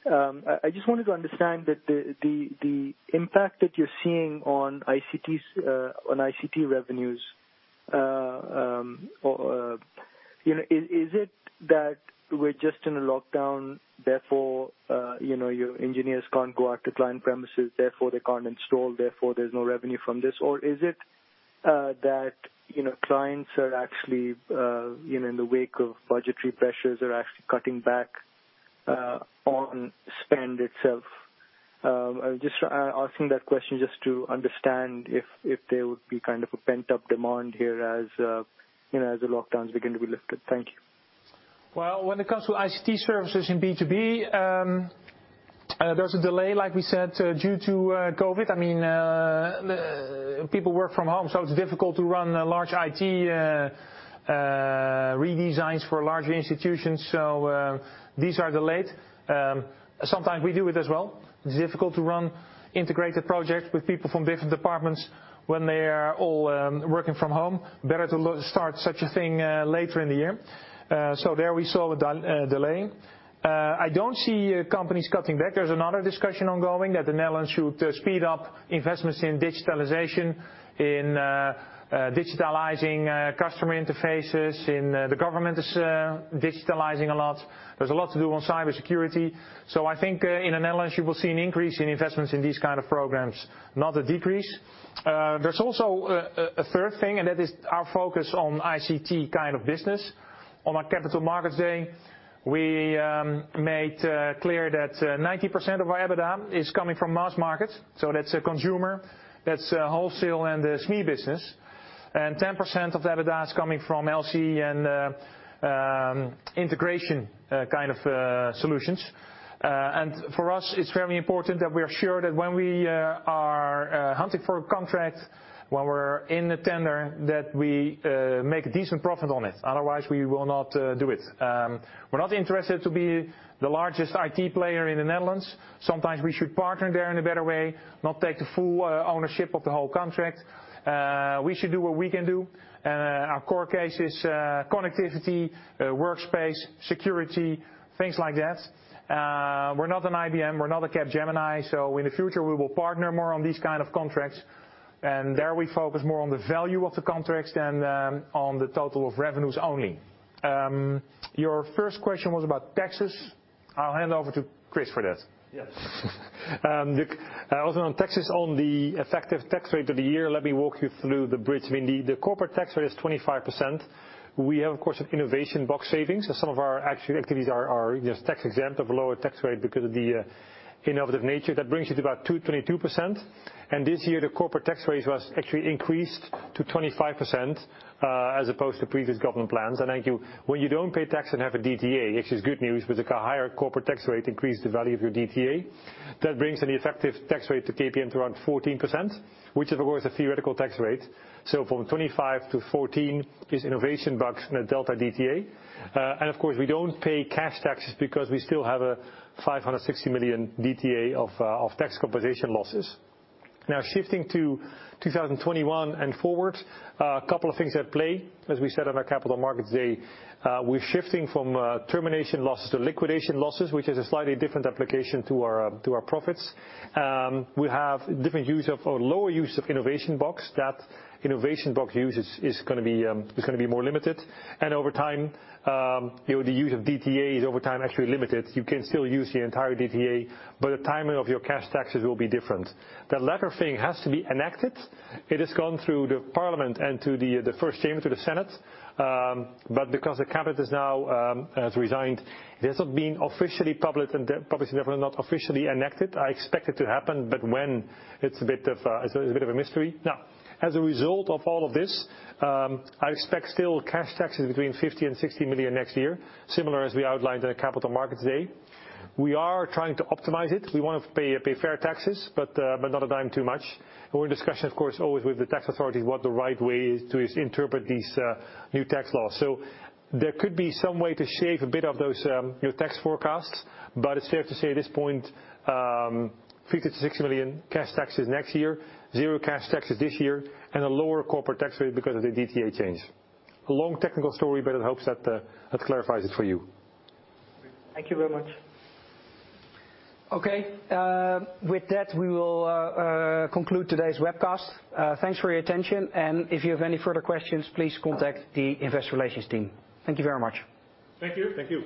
I just wanted to understand that the impact that you're seeing on ICT revenues. Is it that we're just in a lockdown, therefore, your engineers can't go out to client premises, therefore, they can't install, therefore, there's no revenue from this? Is it that clients are actually, in the wake of budgetary pressures, are actually cutting back on spend itself? I'm asking that question just to understand if there would be a pent-up demand here as the lockdowns begin to be lifted. Thank you. When it comes to ICT services in B2B, there's a delay, like we said, due to COVID. People work from home, it's difficult to run large IT redesigns for larger institutions. These are delayed. Sometimes we do it as well. It's difficult to run integrated projects with people from different departments when they are all working from home. Better to start such a thing later in the year. There we saw a delay. I don't see companies cutting back. There's another discussion ongoing that the Netherlands should speed up investments in digitalization, in digitalizing customer interfaces. The government is digitalizing a lot. There's a lot to do on cybersecurity. I think in the Netherlands, you will see an increase in investments in these kind of programs, not a decrease. There's also a third thing, and that is our focus on ICT kind of business. On our capital markets day, we made clear that 90% of our EBITDA is coming from mass market. That's a consumer. That's wholesale and the SME business. 10% of the EBITDA is coming from LCE and integration kind of solutions. For us, it's very important that we are sure that when we are hunting for a contract, when we're in the tender, that we make a decent profit on it. Otherwise, we will not do it. We're not interested to be the largest IT player in the Netherlands. Sometimes we should partner there in a better way, not take the full ownership of the whole contract. We should do what we can do. Our core case is connectivity, Workspace, security, things like that. We're not an IBM, we're not a Capgemini, in the future, we will partner more on these kind of contracts. There we focus more on the value of the contracts than on the total of revenues only. Your first question was about taxes. I'll hand over to Chris for that. Yes. Also on taxes, on the effective tax rate of the year, let me walk you through the bridge. The corporate tax rate is 25%. We have, of course, innovation box savings. Some of our activities are just tax exempt or lower tax rate because of the innovative nature. That brings you to about 222%. This year, the corporate tax rate was actually increased to 25%, as opposed to previous government plans. When you don't pay tax and have a DTA, which is good news, because a higher corporate tax rate increased the value of your DTA. That brings an effective tax rate to KPN to around 14%, which is, of course, a theoretical tax rate. From 25-14 is innovation box in a delta DTA. Of course, we don't pay cash taxes because we still have a 560 million DTA of tax compensation losses. Now, shifting to 2021 and forward, a couple of things at play. As we said on our capital markets day, we're shifting from termination losses to liquidation losses, which is a slightly different application to our profits. We have different use of or lower use of innovation box. That innovation box use is going to be more limited. Over time, the use of DTAs over time actually limited. You can still use the entire DTA, but the timing of your cash taxes will be different. That latter thing has to be enacted. It has gone through the parliament and to the first chamber to the Senate. Because the cabinet has now resigned, it hasn't been officially published, and probably therefore not officially enacted. I expect it to happen, but when, it's a bit of a mystery. As a result of all of this, I expect still cash taxes between 50 million and 60 million next year, similar as we outlined in the Capital Markets Day. We are trying to optimize it. We want to pay fair taxes, not a dime too much. We're in discussion, of course, always with the tax authorities, what the right way is to interpret these new tax laws. There could be some way to shave a bit of those tax forecasts, but it's fair to say at this point, 50 million-60 million cash taxes next year, zero cash taxes this year, and a lower corporate tax rate because of the DTA change. A long technical story, I hope that clarifies it for you. Thank you very much. Okay. With that, we will conclude today's webcast. Thanks for your attention, and if you have any further questions, please contact the investor relations team. Thank you very much. Thank you. Thank you.